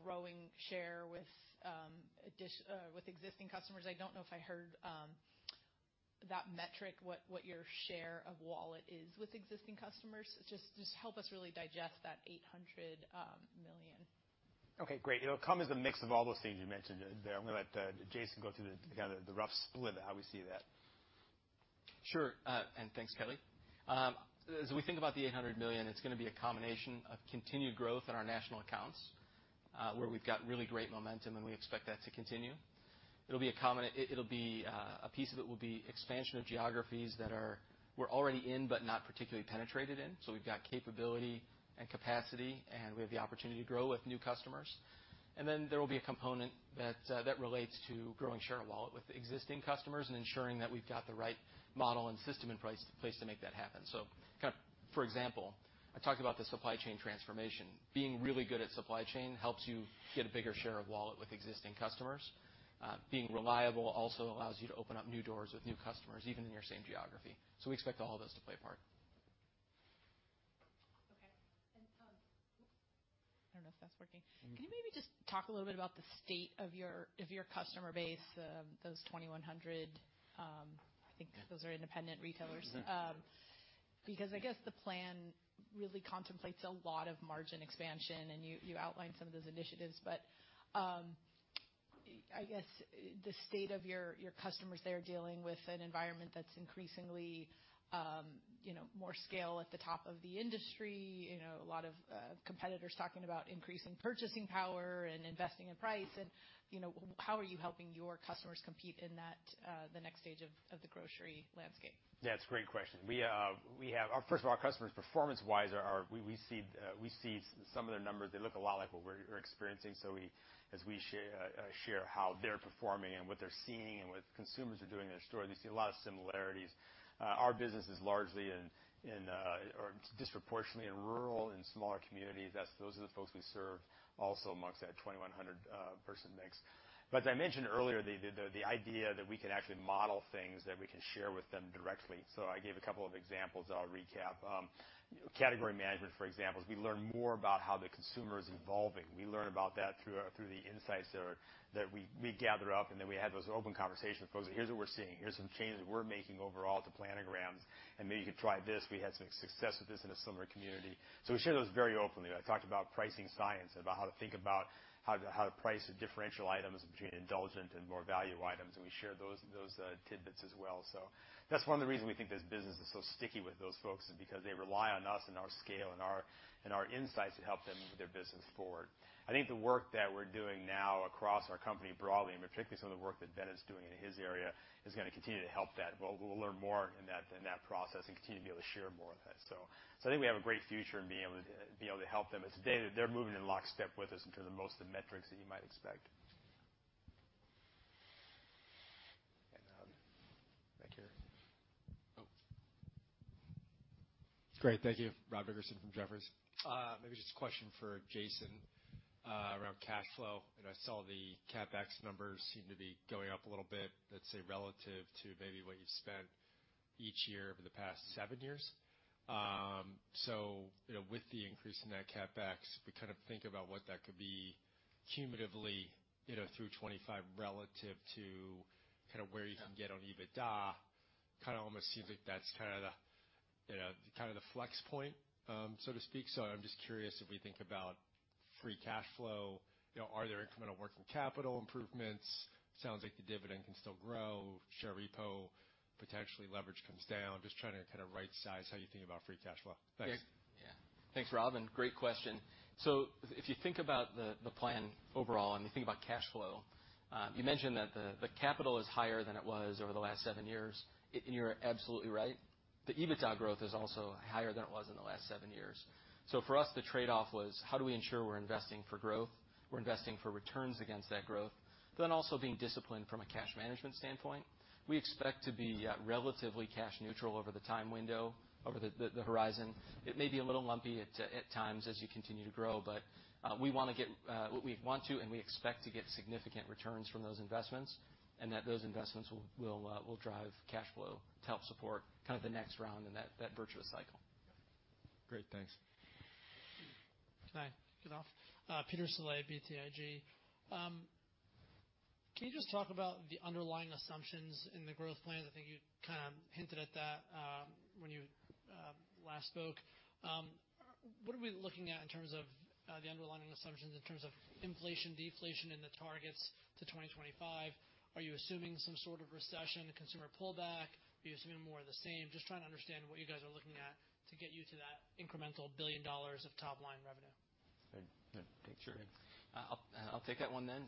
Speaker 10: growing share with existing customers? I don't know if I heard that metric, what your share of wallet is with existing customers. Just help us really digest that $800 million.
Speaker 5: Okay, great. It'll come as a mix of all those things you mentioned there. I'm gonna let Jason go through the kind of rough split of how we see that.
Speaker 9: Sure, and thanks, Kelly. As we think about the $800 million, it's gonna be a combination of continued growth in our national accounts, where we've got really great momentum, and we expect that to continue. A piece of it will be expansion of geographies that we're already in, but not particularly penetrated in. We've got capability and capacity, and we have the opportunity to grow with new customers. Then there will be a component that relates to growing share of wallet with existing customers and ensuring that we've got the right model and system in place to make that happen. Kind of, for example, I talked about the supply chain transformation. Being really good at supply chain helps you get a bigger share of wallet with existing customers. Being reliable also allows you to open up new doors with new customers, even in your same geography. We expect all those to play a part.
Speaker 10: Okay. I don't know if that's working. Can you maybe just talk a little bit about the state of your customer base, those 2,100, I think those are independent retailers? Because I guess the plan really contemplates a lot of margin expansion, and you outlined some of those initiatives. I guess the state of your customers, they are dealing with an environment that's increasingly, you know, more scale at the top of the industry. You know, a lot of competitors talking about increasing purchasing power and investing in price. You know, how are you helping your customers compete in that, the next stage of the grocery landscape?
Speaker 5: Yeah, it's a great question. First of all, our customers performance-wise are. We see some of their numbers. They look a lot like what we're experiencing. We as we share how they're performing and what they're seeing and what consumers are doing in their store, we see a lot of similarities. Our business is largely in or disproportionately in rural and smaller communities. Those are the folks we serve also among that 2,100-person mix. As I mentioned earlier, the idea that we can actually model things that we can share with them directly. I gave a couple of examples that I'll recap. Category management, for example, as we learn more about how the consumer is evolving, we learn about that through the insights that we gather up, and then we have those open conversations. Folks, here's what we're seeing. Here's some changes we're making overall to planograms, and maybe you could try this. We had some success with this in a similar community. We share those very openly. I talked about pricing science, about how to think about how to price the differential items between indulgent and more value items, and we share those tidbits as well. That's one of the reasons we think this business is so sticky with those folks is because they rely on us and our scale and our insights to help them move their business forward. I think the work that we're doing now across our company broadly, and particularly some of the work that Ben is doing in his area, is gonna continue to help that. We'll learn more in that process and continue to be able to share more of that. I think we have a great future in being able to help them. Today, they're moving in lockstep with us in terms of most of the metrics that you might expect.
Speaker 11: Great. Thank you. Rob Dickerson from Jefferies. Maybe just a question for Jason around cash flow. You know, I saw the CapEx numbers seem to be going up a little bit, let's say, relative to maybe what you've spent each year over the past seven years. You know, with the increase in that CapEx, we kind of think about what that could be cumulatively, you know, through 2025 relative to kinda where you can get on EBITDA. Kinda almost seems like that's kinda the, you know, kinda the flex point, so to speak. I'm just curious if we think about free cash flow, you know, are there incremental working capital improvements? Sounds like the dividend can still grow, share repo, potentially leverage comes down. Just trying to kinda right-size how you think about free cash flow. Thanks.
Speaker 9: Yeah. Thanks, Rob, and great question. If you think about the plan overall and you think about cash flow, you mentioned that the capital is higher than it was over the last seven years. You're absolutely right. The EBITDA growth is also higher than it was in the last seven years. For us, the trade-off was how do we ensure we're investing for growth, we're investing for returns against that growth, but then also being disciplined from a cash management standpoint. We expect to be relatively cash neutral over the time window, over the horizon. It may be a little lumpy at times as you continue to grow, but we wanna get what we want to, and we expect to get significant returns from those investments, and those investments will drive cash flow to help support kind of the next round in that virtuous cycle.
Speaker 11: Great. Thanks.
Speaker 12: Peter Saleh, BTIG. Can you just talk about the underlying assumptions in the growth plans? I think you kinda hinted at that, when you last spoke. What are we looking at in terms of the underlying assumptions in terms of inflation, deflation in the targets to 2025? Are you assuming some sort of recession, consumer pullback? Are you assuming more of the same? Just trying to understand what you guys are looking at to get you to that incremental $1 billion of top-line revenue.
Speaker 5: Take it, sure.
Speaker 9: Yeah. I'll take that one then.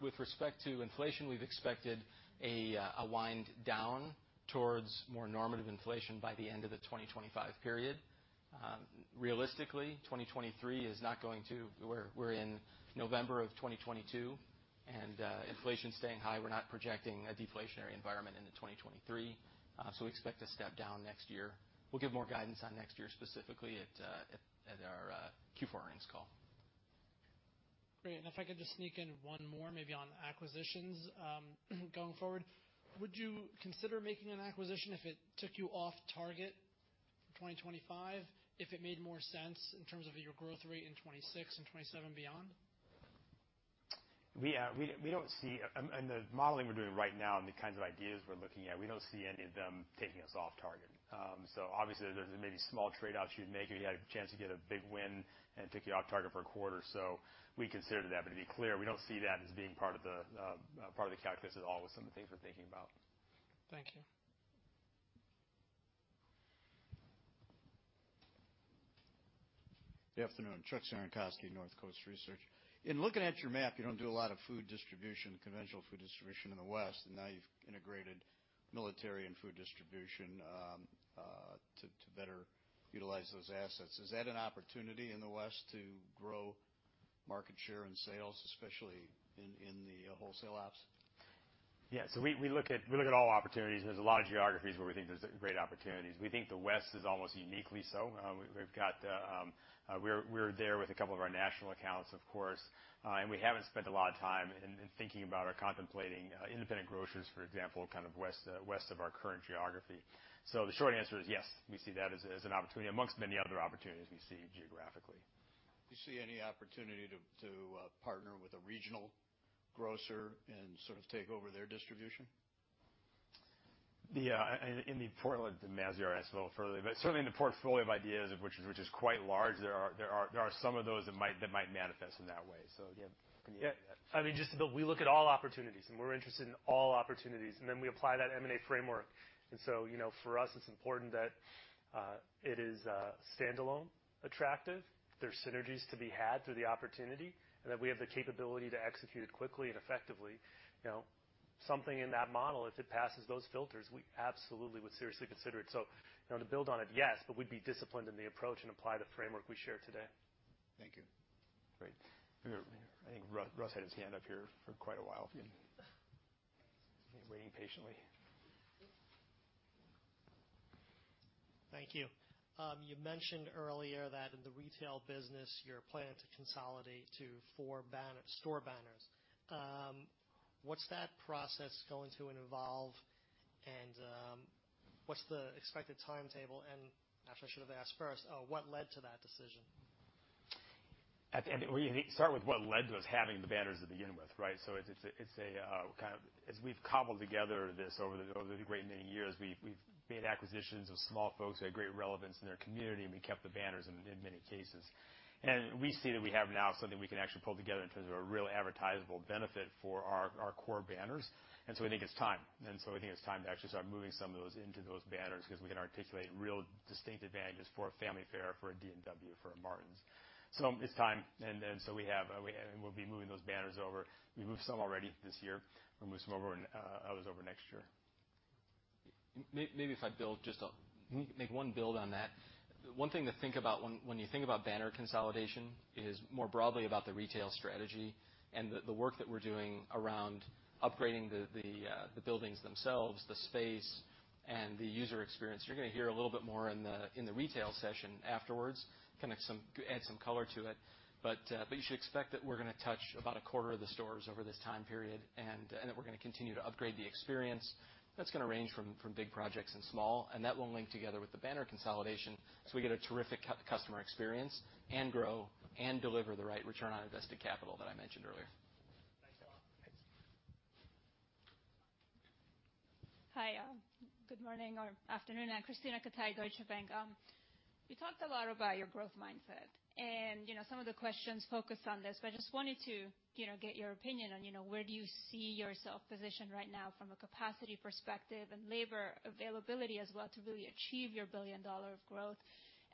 Speaker 9: With respect to inflation, we've expected a wind down towards more normative inflation by the end of the 2025 period. Realistically, we're in November of 2022, and inflation's staying high. We're not projecting a deflationary environment into 2023. We expect to step down next year. We'll give more guidance on next year specifically at our Q4 earnings call.
Speaker 12: Great. If I could just sneak in one more maybe on acquisitions, going forward. Would you consider making an acquisition if it took you off target for 2025 if it made more sense in terms of your growth rate in 2026 and 2027 beyond?
Speaker 5: In the modeling we're doing right now and the kinds of ideas we're looking at, we don't see any of them taking us off target. Obviously, there's maybe small trade-offs you'd make if you had a chance to get a big win and take you off target for a quarter. We considered that. To be clear, we don't see that as being part of the calculus at all with some of the things we're thinking about.
Speaker 12: Thank you.
Speaker 13: Good afternoon. Chuck Cerankosky, Northcoast Research. In looking at your map, you don't do a lot of food distribution, conventional food distribution in the West, and now you've integrated military and food distribution to better utilize those assets. Is that an opportunity in the West to grow market share and sales, especially in the wholesale ops?
Speaker 5: Yeah. We look at all opportunities, and there's a lot of geographies where we think there's great opportunities. We think the West is almost uniquely so. We are there with a couple of our national accounts, of course. We haven't spent a lot of time thinking about or contemplating independent grocers, for example, kind of west of our current geography. The short answer is yes. We see that as an opportunity among many other opportunities we see geographically.
Speaker 13: Do you see any opportunity to partner with a regional grocer and sort of take over their distribution?
Speaker 5: Yeah. In the Portland to Masiar as well, further. But certainly, in the portfolio of ideas, which is quite large, there are some of those that might manifest in that way. Yeah. Can you add to that?
Speaker 9: Yeah. I mean, just to build, we look at all opportunities, and we're interested in all opportunities, and then we apply that M&A framework. You know, for us, it's important that it is standalone attractive, there's synergies to be had through the opportunity, and that we have the capability to execute it quickly and effectively. You know, something in that model, if it passes those filters, we absolutely would seriously consider it. You know, to build on it, yes, but we'd be disciplined in the approach and apply the framework we shared today.
Speaker 13: Thank you.
Speaker 5: Great. I think Russ had his hand up here for quite a while. He's been waiting patiently.
Speaker 14: Thank you. You mentioned earlier that in the retail business, you're planning to consolidate to four store banners. What's that process going to involve? What's the expected timetable? Actually, I should have asked first, what led to that decision?
Speaker 5: At the end, we start with what led to us having the banners to begin with, right? It's a kind of as we've cobbled together this over the great many years, we've made acquisitions of small folks who had great relevance in their community, and we kept the banners in many cases. We see that we have now something we can actually pull together in terms of a real advertisable benefit for our core banners. We think it's time to actually start moving some of those into those banners because we can articulate real distinct advantages for a Family Fare, for a D&W, for a Martin's. It's time. We'll be moving those banners over. We moved some already this year. We'll move some over, others over next year.
Speaker 9: One thing to think about when you think about banner consolidation is more broadly about the retail strategy and the work that we're doing around upgrading the buildings themselves, the space and the user experience. You're gonna hear a little bit more in the retail session afterwards, kinda add some color to it. You should expect that we're gonna touch about a quarter of the stores over this time period and that we're gonna continue to upgrade the experience. That's gonna range from big projects and small, and that will link together with the banner consolidation, so we get a terrific customer experience and grow and deliver the right return on invested capital that I mentioned earlier.
Speaker 14: Thanks a lot.
Speaker 5: Thanks.
Speaker 15: Hi. Good morning or afternoon. I'm Krisztina Katai, Deutsche Bank. You talked a lot about your growth mindset, and, you know, some of the questions focus on this. I just wanted to, you know, get your opinion on, you know, where do you see yourself positioned right now from a capacity perspective and labor availability as well to really achieve your $1 billion of growth.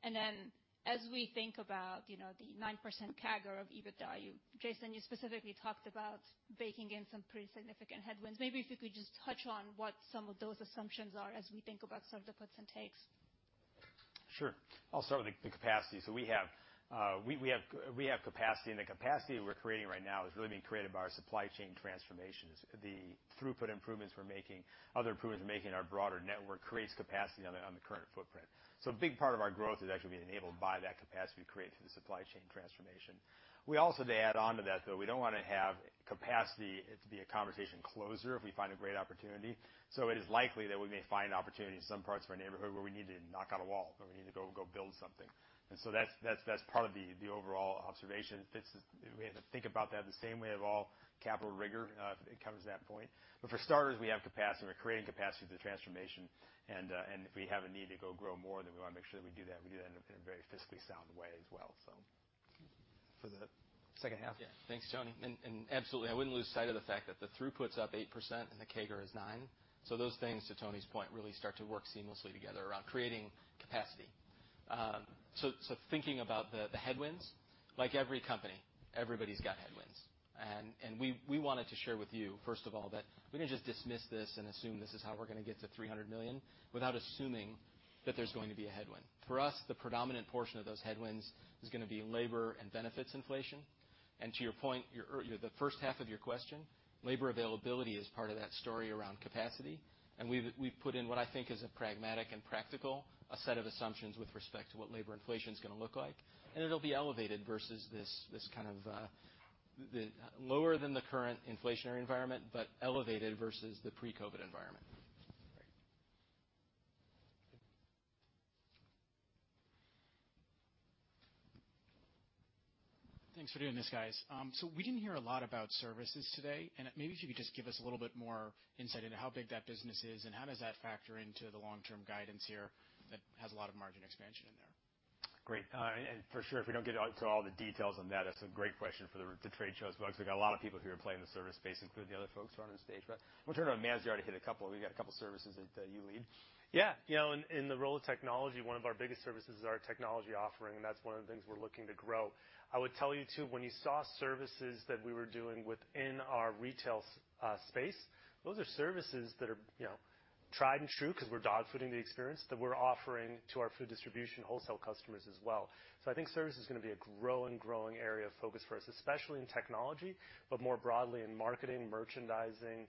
Speaker 15: Then as we think about, you know, the 9% CAGR of EBITDA, you, Jason, you specifically talked about baking in some pretty significant headwinds. Maybe if you could just touch on what some of those assumptions are as we think about some of the puts and takes.
Speaker 5: Sure. I'll start with the capacity. So we have capacity, and the capacity we're creating right now is really being created by our supply chain transformations. The throughput improvements we're making, other improvements we're making in our broader network creates capacity on the current footprint. So a big part of our growth is actually being enabled by that capacity created through the supply chain transformation. We also, to add on to that, though, we don't wanna have capacity to be a conversation closer if we find a great opportunity. So it is likely that we may find opportunity in some parts of our neighborhood where we need to knock out a wall or we need to go build something. That's part of the overall observation. We have to think about that the same way with all capital rigor, if it comes to that point. For starters, we have capacity. We're creating capacity through transformation. If we have a need to grow more, then we want to make sure that we do that in a very fiscally sound way as well. For the second half.
Speaker 9: Yeah. Thanks, Tony. Absolutely, I wouldn't lose sight of the fact that the throughput's up 8% and the CAGR is 9%. Those things, to Tony's point, really start to work seamlessly together around creating capacity. Thinking about the headwinds, like every company, everybody's got headwinds. We wanted to share with you, first of all, that we didn't just dismiss this and assume this is how we're gonna get to $300 million without assuming that there's going to be a headwind. For us, the predominant portion of those headwinds is gonna be labor and benefits inflation. To your point, the first half of your question, labor availability is part of that story around capacity. We've put in what I think is a pragmatic and practical set of assumptions with respect to what labor inflation is gonna look like. It'll be elevated versus this kind of lower than the current inflationary environment, but elevated versus the pre-COVID environment.
Speaker 15: Great.
Speaker 16: Thanks for doing this, guys. We didn't hear a lot about services today, and maybe if you could just give us a little bit more insight into how big that business is, and how does that factor into the long-term guidance here that has a lot of margin expansion in there?
Speaker 5: Great. For sure, if we don't get to all the details on that's a great question for the trade shows, folks. We got a lot of people who are playing the service space, including the other folks who are on the stage. I'm gonna turn it on to Masiar to already hit a couple. We've got a couple services that you lead.
Speaker 6: Yeah. You know, in the role of technology, one of our biggest services is our technology offering, and that's one of the things we're looking to grow. I would tell you, too, when you saw services that we were doing within our retail space, those are services that are, you know, tried and true because we're dogfooding the experience that we're offering to our food distribution wholesale customers as well. I think service is gonna be a growing area of focus for us, especially in technology, but more broadly in marketing, merchandising,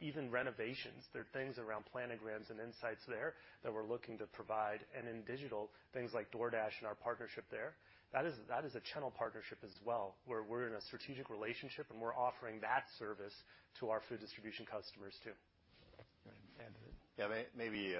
Speaker 6: even renovations. There are things around planograms and insights there that we're looking to provide, and in digital, things like DoorDash and our partnership there. That is a channel partnership as well, where we're in a strategic relationship, and we're offering that service to our food distribution customers too.
Speaker 16: All right.
Speaker 7: Yeah. Maybe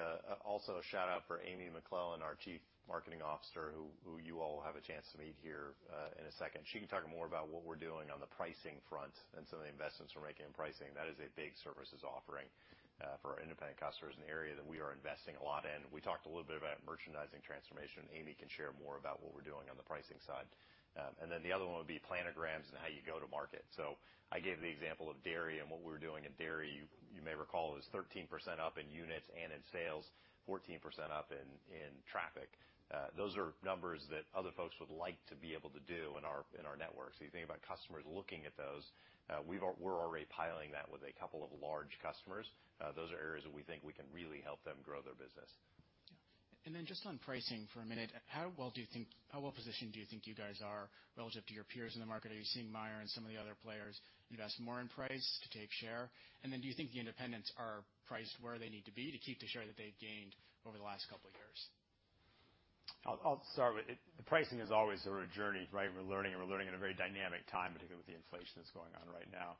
Speaker 7: also a shout-out for Amy McClellan, our Chief Marketing Officer, who you all will have a chance to meet here in a second. She can talk more about what we're doing on the pricing front and some of the investments we're making in pricing. That is a big services offering for our independent customers, an area that we are investing a lot in. We talked a little bit about merchandising transformation. Amy can share more about what we're doing on the pricing side. And then the other one would be planograms and how you go to market. I gave the example of dairy and what we were doing in dairy. You may recall it was 13% up in units and in sales, 14% up in traffic. Those are numbers that other folks would like to be able to do in our network. You think about customers looking at those. We're already piloting that with a couple of large customers. Those are areas that we think we can really help them grow their business.
Speaker 16: Yeah. Just on pricing for a minute, how well positioned do you think you guys are relative to your peers in the market? Are you seeing Meijer and some of the other players invest more in price to take share? Do you think the independents are priced where they need to be to keep the share that they've gained over the last couple of years?
Speaker 5: I'll start with it. The pricing is always sort of a journey, right? We're learning in a very dynamic time, particularly with the inflation that's going on right now.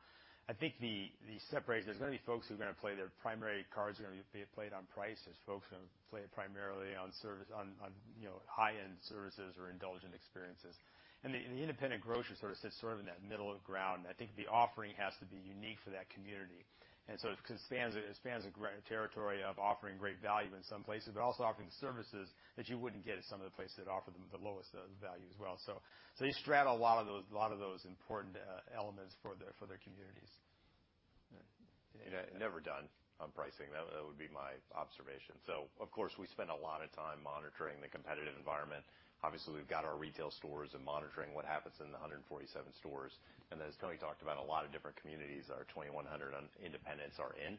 Speaker 5: I think the separation, there's gonna be folks who are gonna play their primary cards are gonna be played on price. There's folks who are gonna play it primarily on service, you know, high-end services or indulgent experiences. The independent grocer sort of sits in that middle ground. I think the offering has to be unique for that community. It 'cause it spans a territory of offering great value in some places, but also offering services that you wouldn't get at some of the places that offer them the lowest value as well. You straddle a lot of those important elements for their communities.
Speaker 7: You know, never done on pricing. That would be my observation. Of course, we spend a lot of time monitoring the competitive environment. Obviously, we've got our retail stores and monitoring what happens in the 147 stores. As Tony talked about, a lot of different communities our 2,100 independents are in.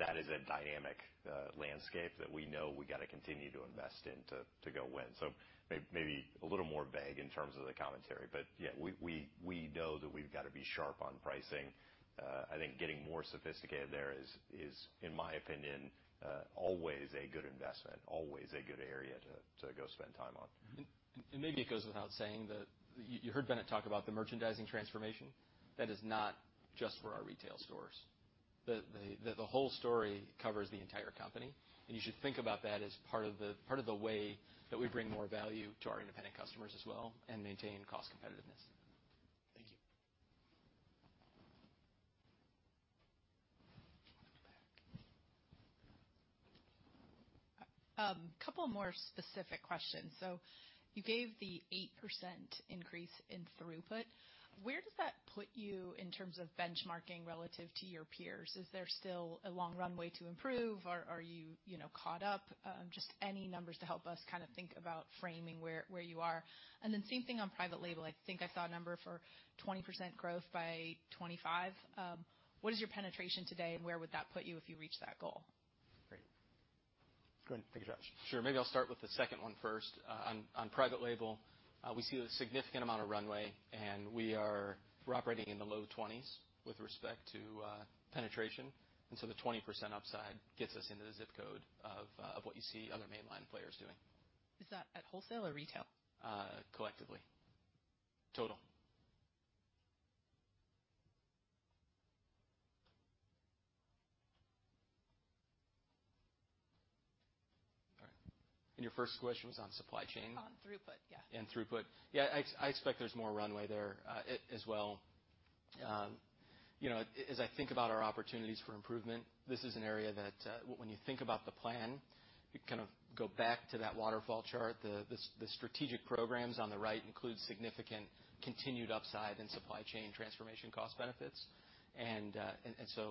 Speaker 7: That is a dynamic landscape that we know we gotta continue to invest in to go win. Maybe a little more vague in terms of the commentary, but yeah, we know that we've gotta be sharp on pricing. I think getting more sophisticated there is, in my opinion, always a good investment, always a good area to go spend time on.
Speaker 9: Maybe it goes without saying that you heard Bennett talk about the merchandising transformation. That is not just for our retail stores. The whole story covers the entire company, and you should think about that as part of the way that we bring more value to our independent customers as well and maintain cost competitiveness.
Speaker 16: Thank you.
Speaker 10: Couple more specific questions. You gave the 8% increase in throughput. Where does that put you in terms of benchmarking relative to your peers? Is there still a long runway to improve, or are you know, caught up? Just any numbers to help us kind of think about framing where you are. Then same thing on private label. I think I saw a number for 20% growth by 2025. What is your penetration today, and where would that put you if you reach that goal?
Speaker 5: Great. Go ahead. Take a shot.
Speaker 9: Sure. Maybe I'll start with the second one first. On private label, we see a significant amount of runway, and we're operating in the low 20s with respect to penetration. The 20% upside gets us into the ZIP code of what you see other mainline players doing.
Speaker 10: Is that at wholesale or retail?
Speaker 9: Collectively. Total. All right. Your first question was on supply chain?
Speaker 10: On throughput, yeah.
Speaker 9: Throughput. Yeah, I expect there's more runway there, as well. You know, as I think about our opportunities for improvement, this is an area that, when you think about the plan, you kind of go back to that waterfall chart. The strategic programs on the right include significant continued upside in supply chain transformation cost benefits.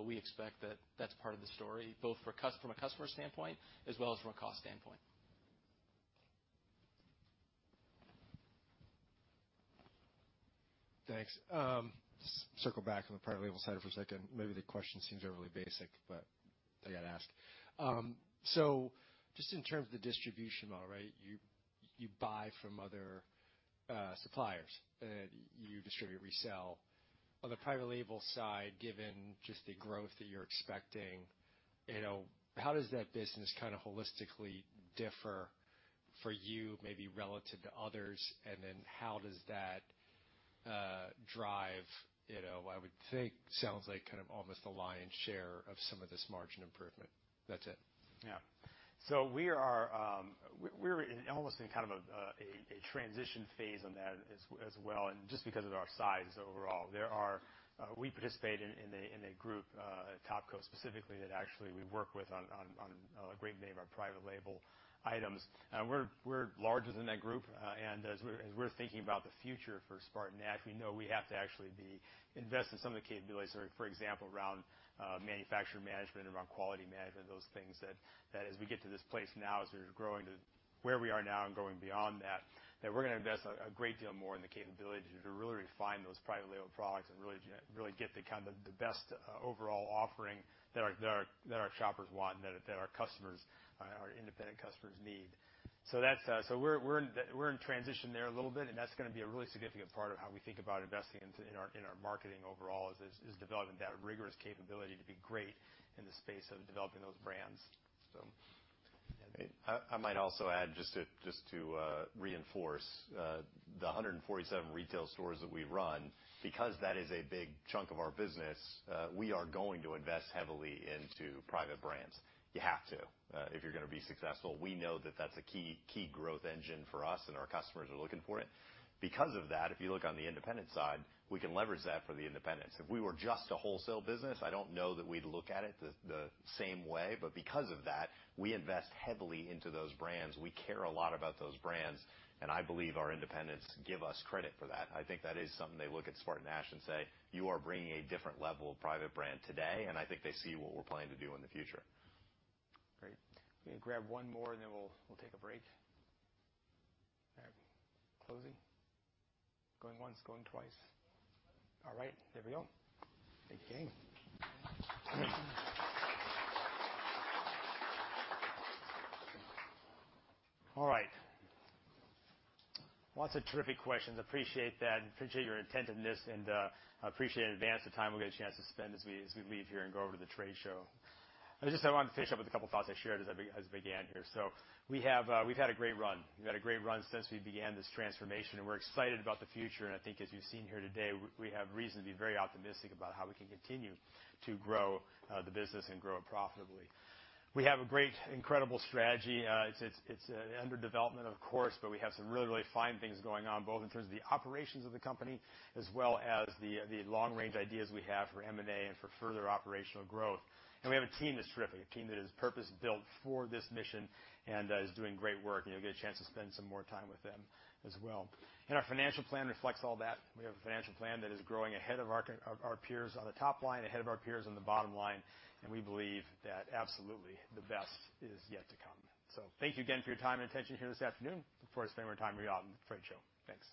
Speaker 9: We expect that that's part of the story, both from a customer standpoint as well as from a cost standpoint.
Speaker 11: Thanks. Just circle back on the private label side for a second. Maybe the question seems overly basic, but I gotta ask. Just in terms of the distribution model, right, you buy from other suppliers, and you distribute, resell. On the private label side, given just the growth that you're expecting, you know, how does that business kind of holistically differ for you, maybe relative to others? How does that drive, you know, I would think sounds like kind of almost the lion's share of some of this margin improvement. That's it.
Speaker 5: Yeah. We're in almost kind of a transition phase on that as well, and just because of our size overall. We participate in a group, Topco specifically, that actually we work with on a great many of our private label items. We're larger than that group. As we're thinking about the future for SpartanNash, we know we have to actually invest in some of the capabilities, for example, around manufacturing management, around quality management, those things that as we get to this place now, as we're growing to where we are now and going beyond that, we're gonna invest a great deal more in the capability to really refine those private label products and really get the kind of the best overall offering that our shoppers want, that our customers, our independent customers need. We're in transition there a little bit, and that's gonna be a really significant part of how we think about investing in our marketing overall, is developing that rigorous capability to be great in the space of developing those brands.
Speaker 7: I might also add just to reinforce the 147 retail stores that we run, because that is a big chunk of our business, we are going to invest heavily into private brands. You have to if you're gonna be successful. We know that that's a key growth engine for us, and our customers are looking for it. Because of that, if you look on the independent side, we can leverage that for the independents. If we were just a wholesale business, I don't know that we'd look at it the same way. Because of that, we invest heavily into those brands. We care a lot about those brands, and I believe our independents give us credit for that. I think that is something they look at SpartanNash and say, "You are bringing a different level of private brand today," and I think they see what we're planning to do in the future.
Speaker 5: Great. Let me grab one more, and then we'll take a break. All right. Closing. Going once, going twice. All right, there we go. Thank you, gang. All right. Lots of terrific questions. Appreciate that, and appreciate your attentiveness and appreciate in advance the time we'll get a chance to spend as we leave here and go over to the trade show. I just wanted to finish up with a couple thoughts I shared as I began here. We've had a great run. We've had a great run since we began this transformation, and we're excited about the future. I think as you've seen here today, we have reason to be very optimistic about how we can continue to grow the business and grow it profitably. We have a great, incredible strategy. It's under development, of course, but we have some really, really fine things going on, both in terms of the operations of the company as well as the long-range ideas we have for M&A and for further operational growth. We have a team that's terrific, a team that is purpose-built for this mission and is doing great work, and you'll get a chance to spend some more time with them as well. Our financial plan reflects all that. We have a financial plan that is growing ahead of our peers on the top line, ahead of our peers on the bottom line, and we believe that absolutely the best is yet to come. Thank you again for your time and attention here this afternoon. Look forward to spending more time with you out in the trade show. Thanks.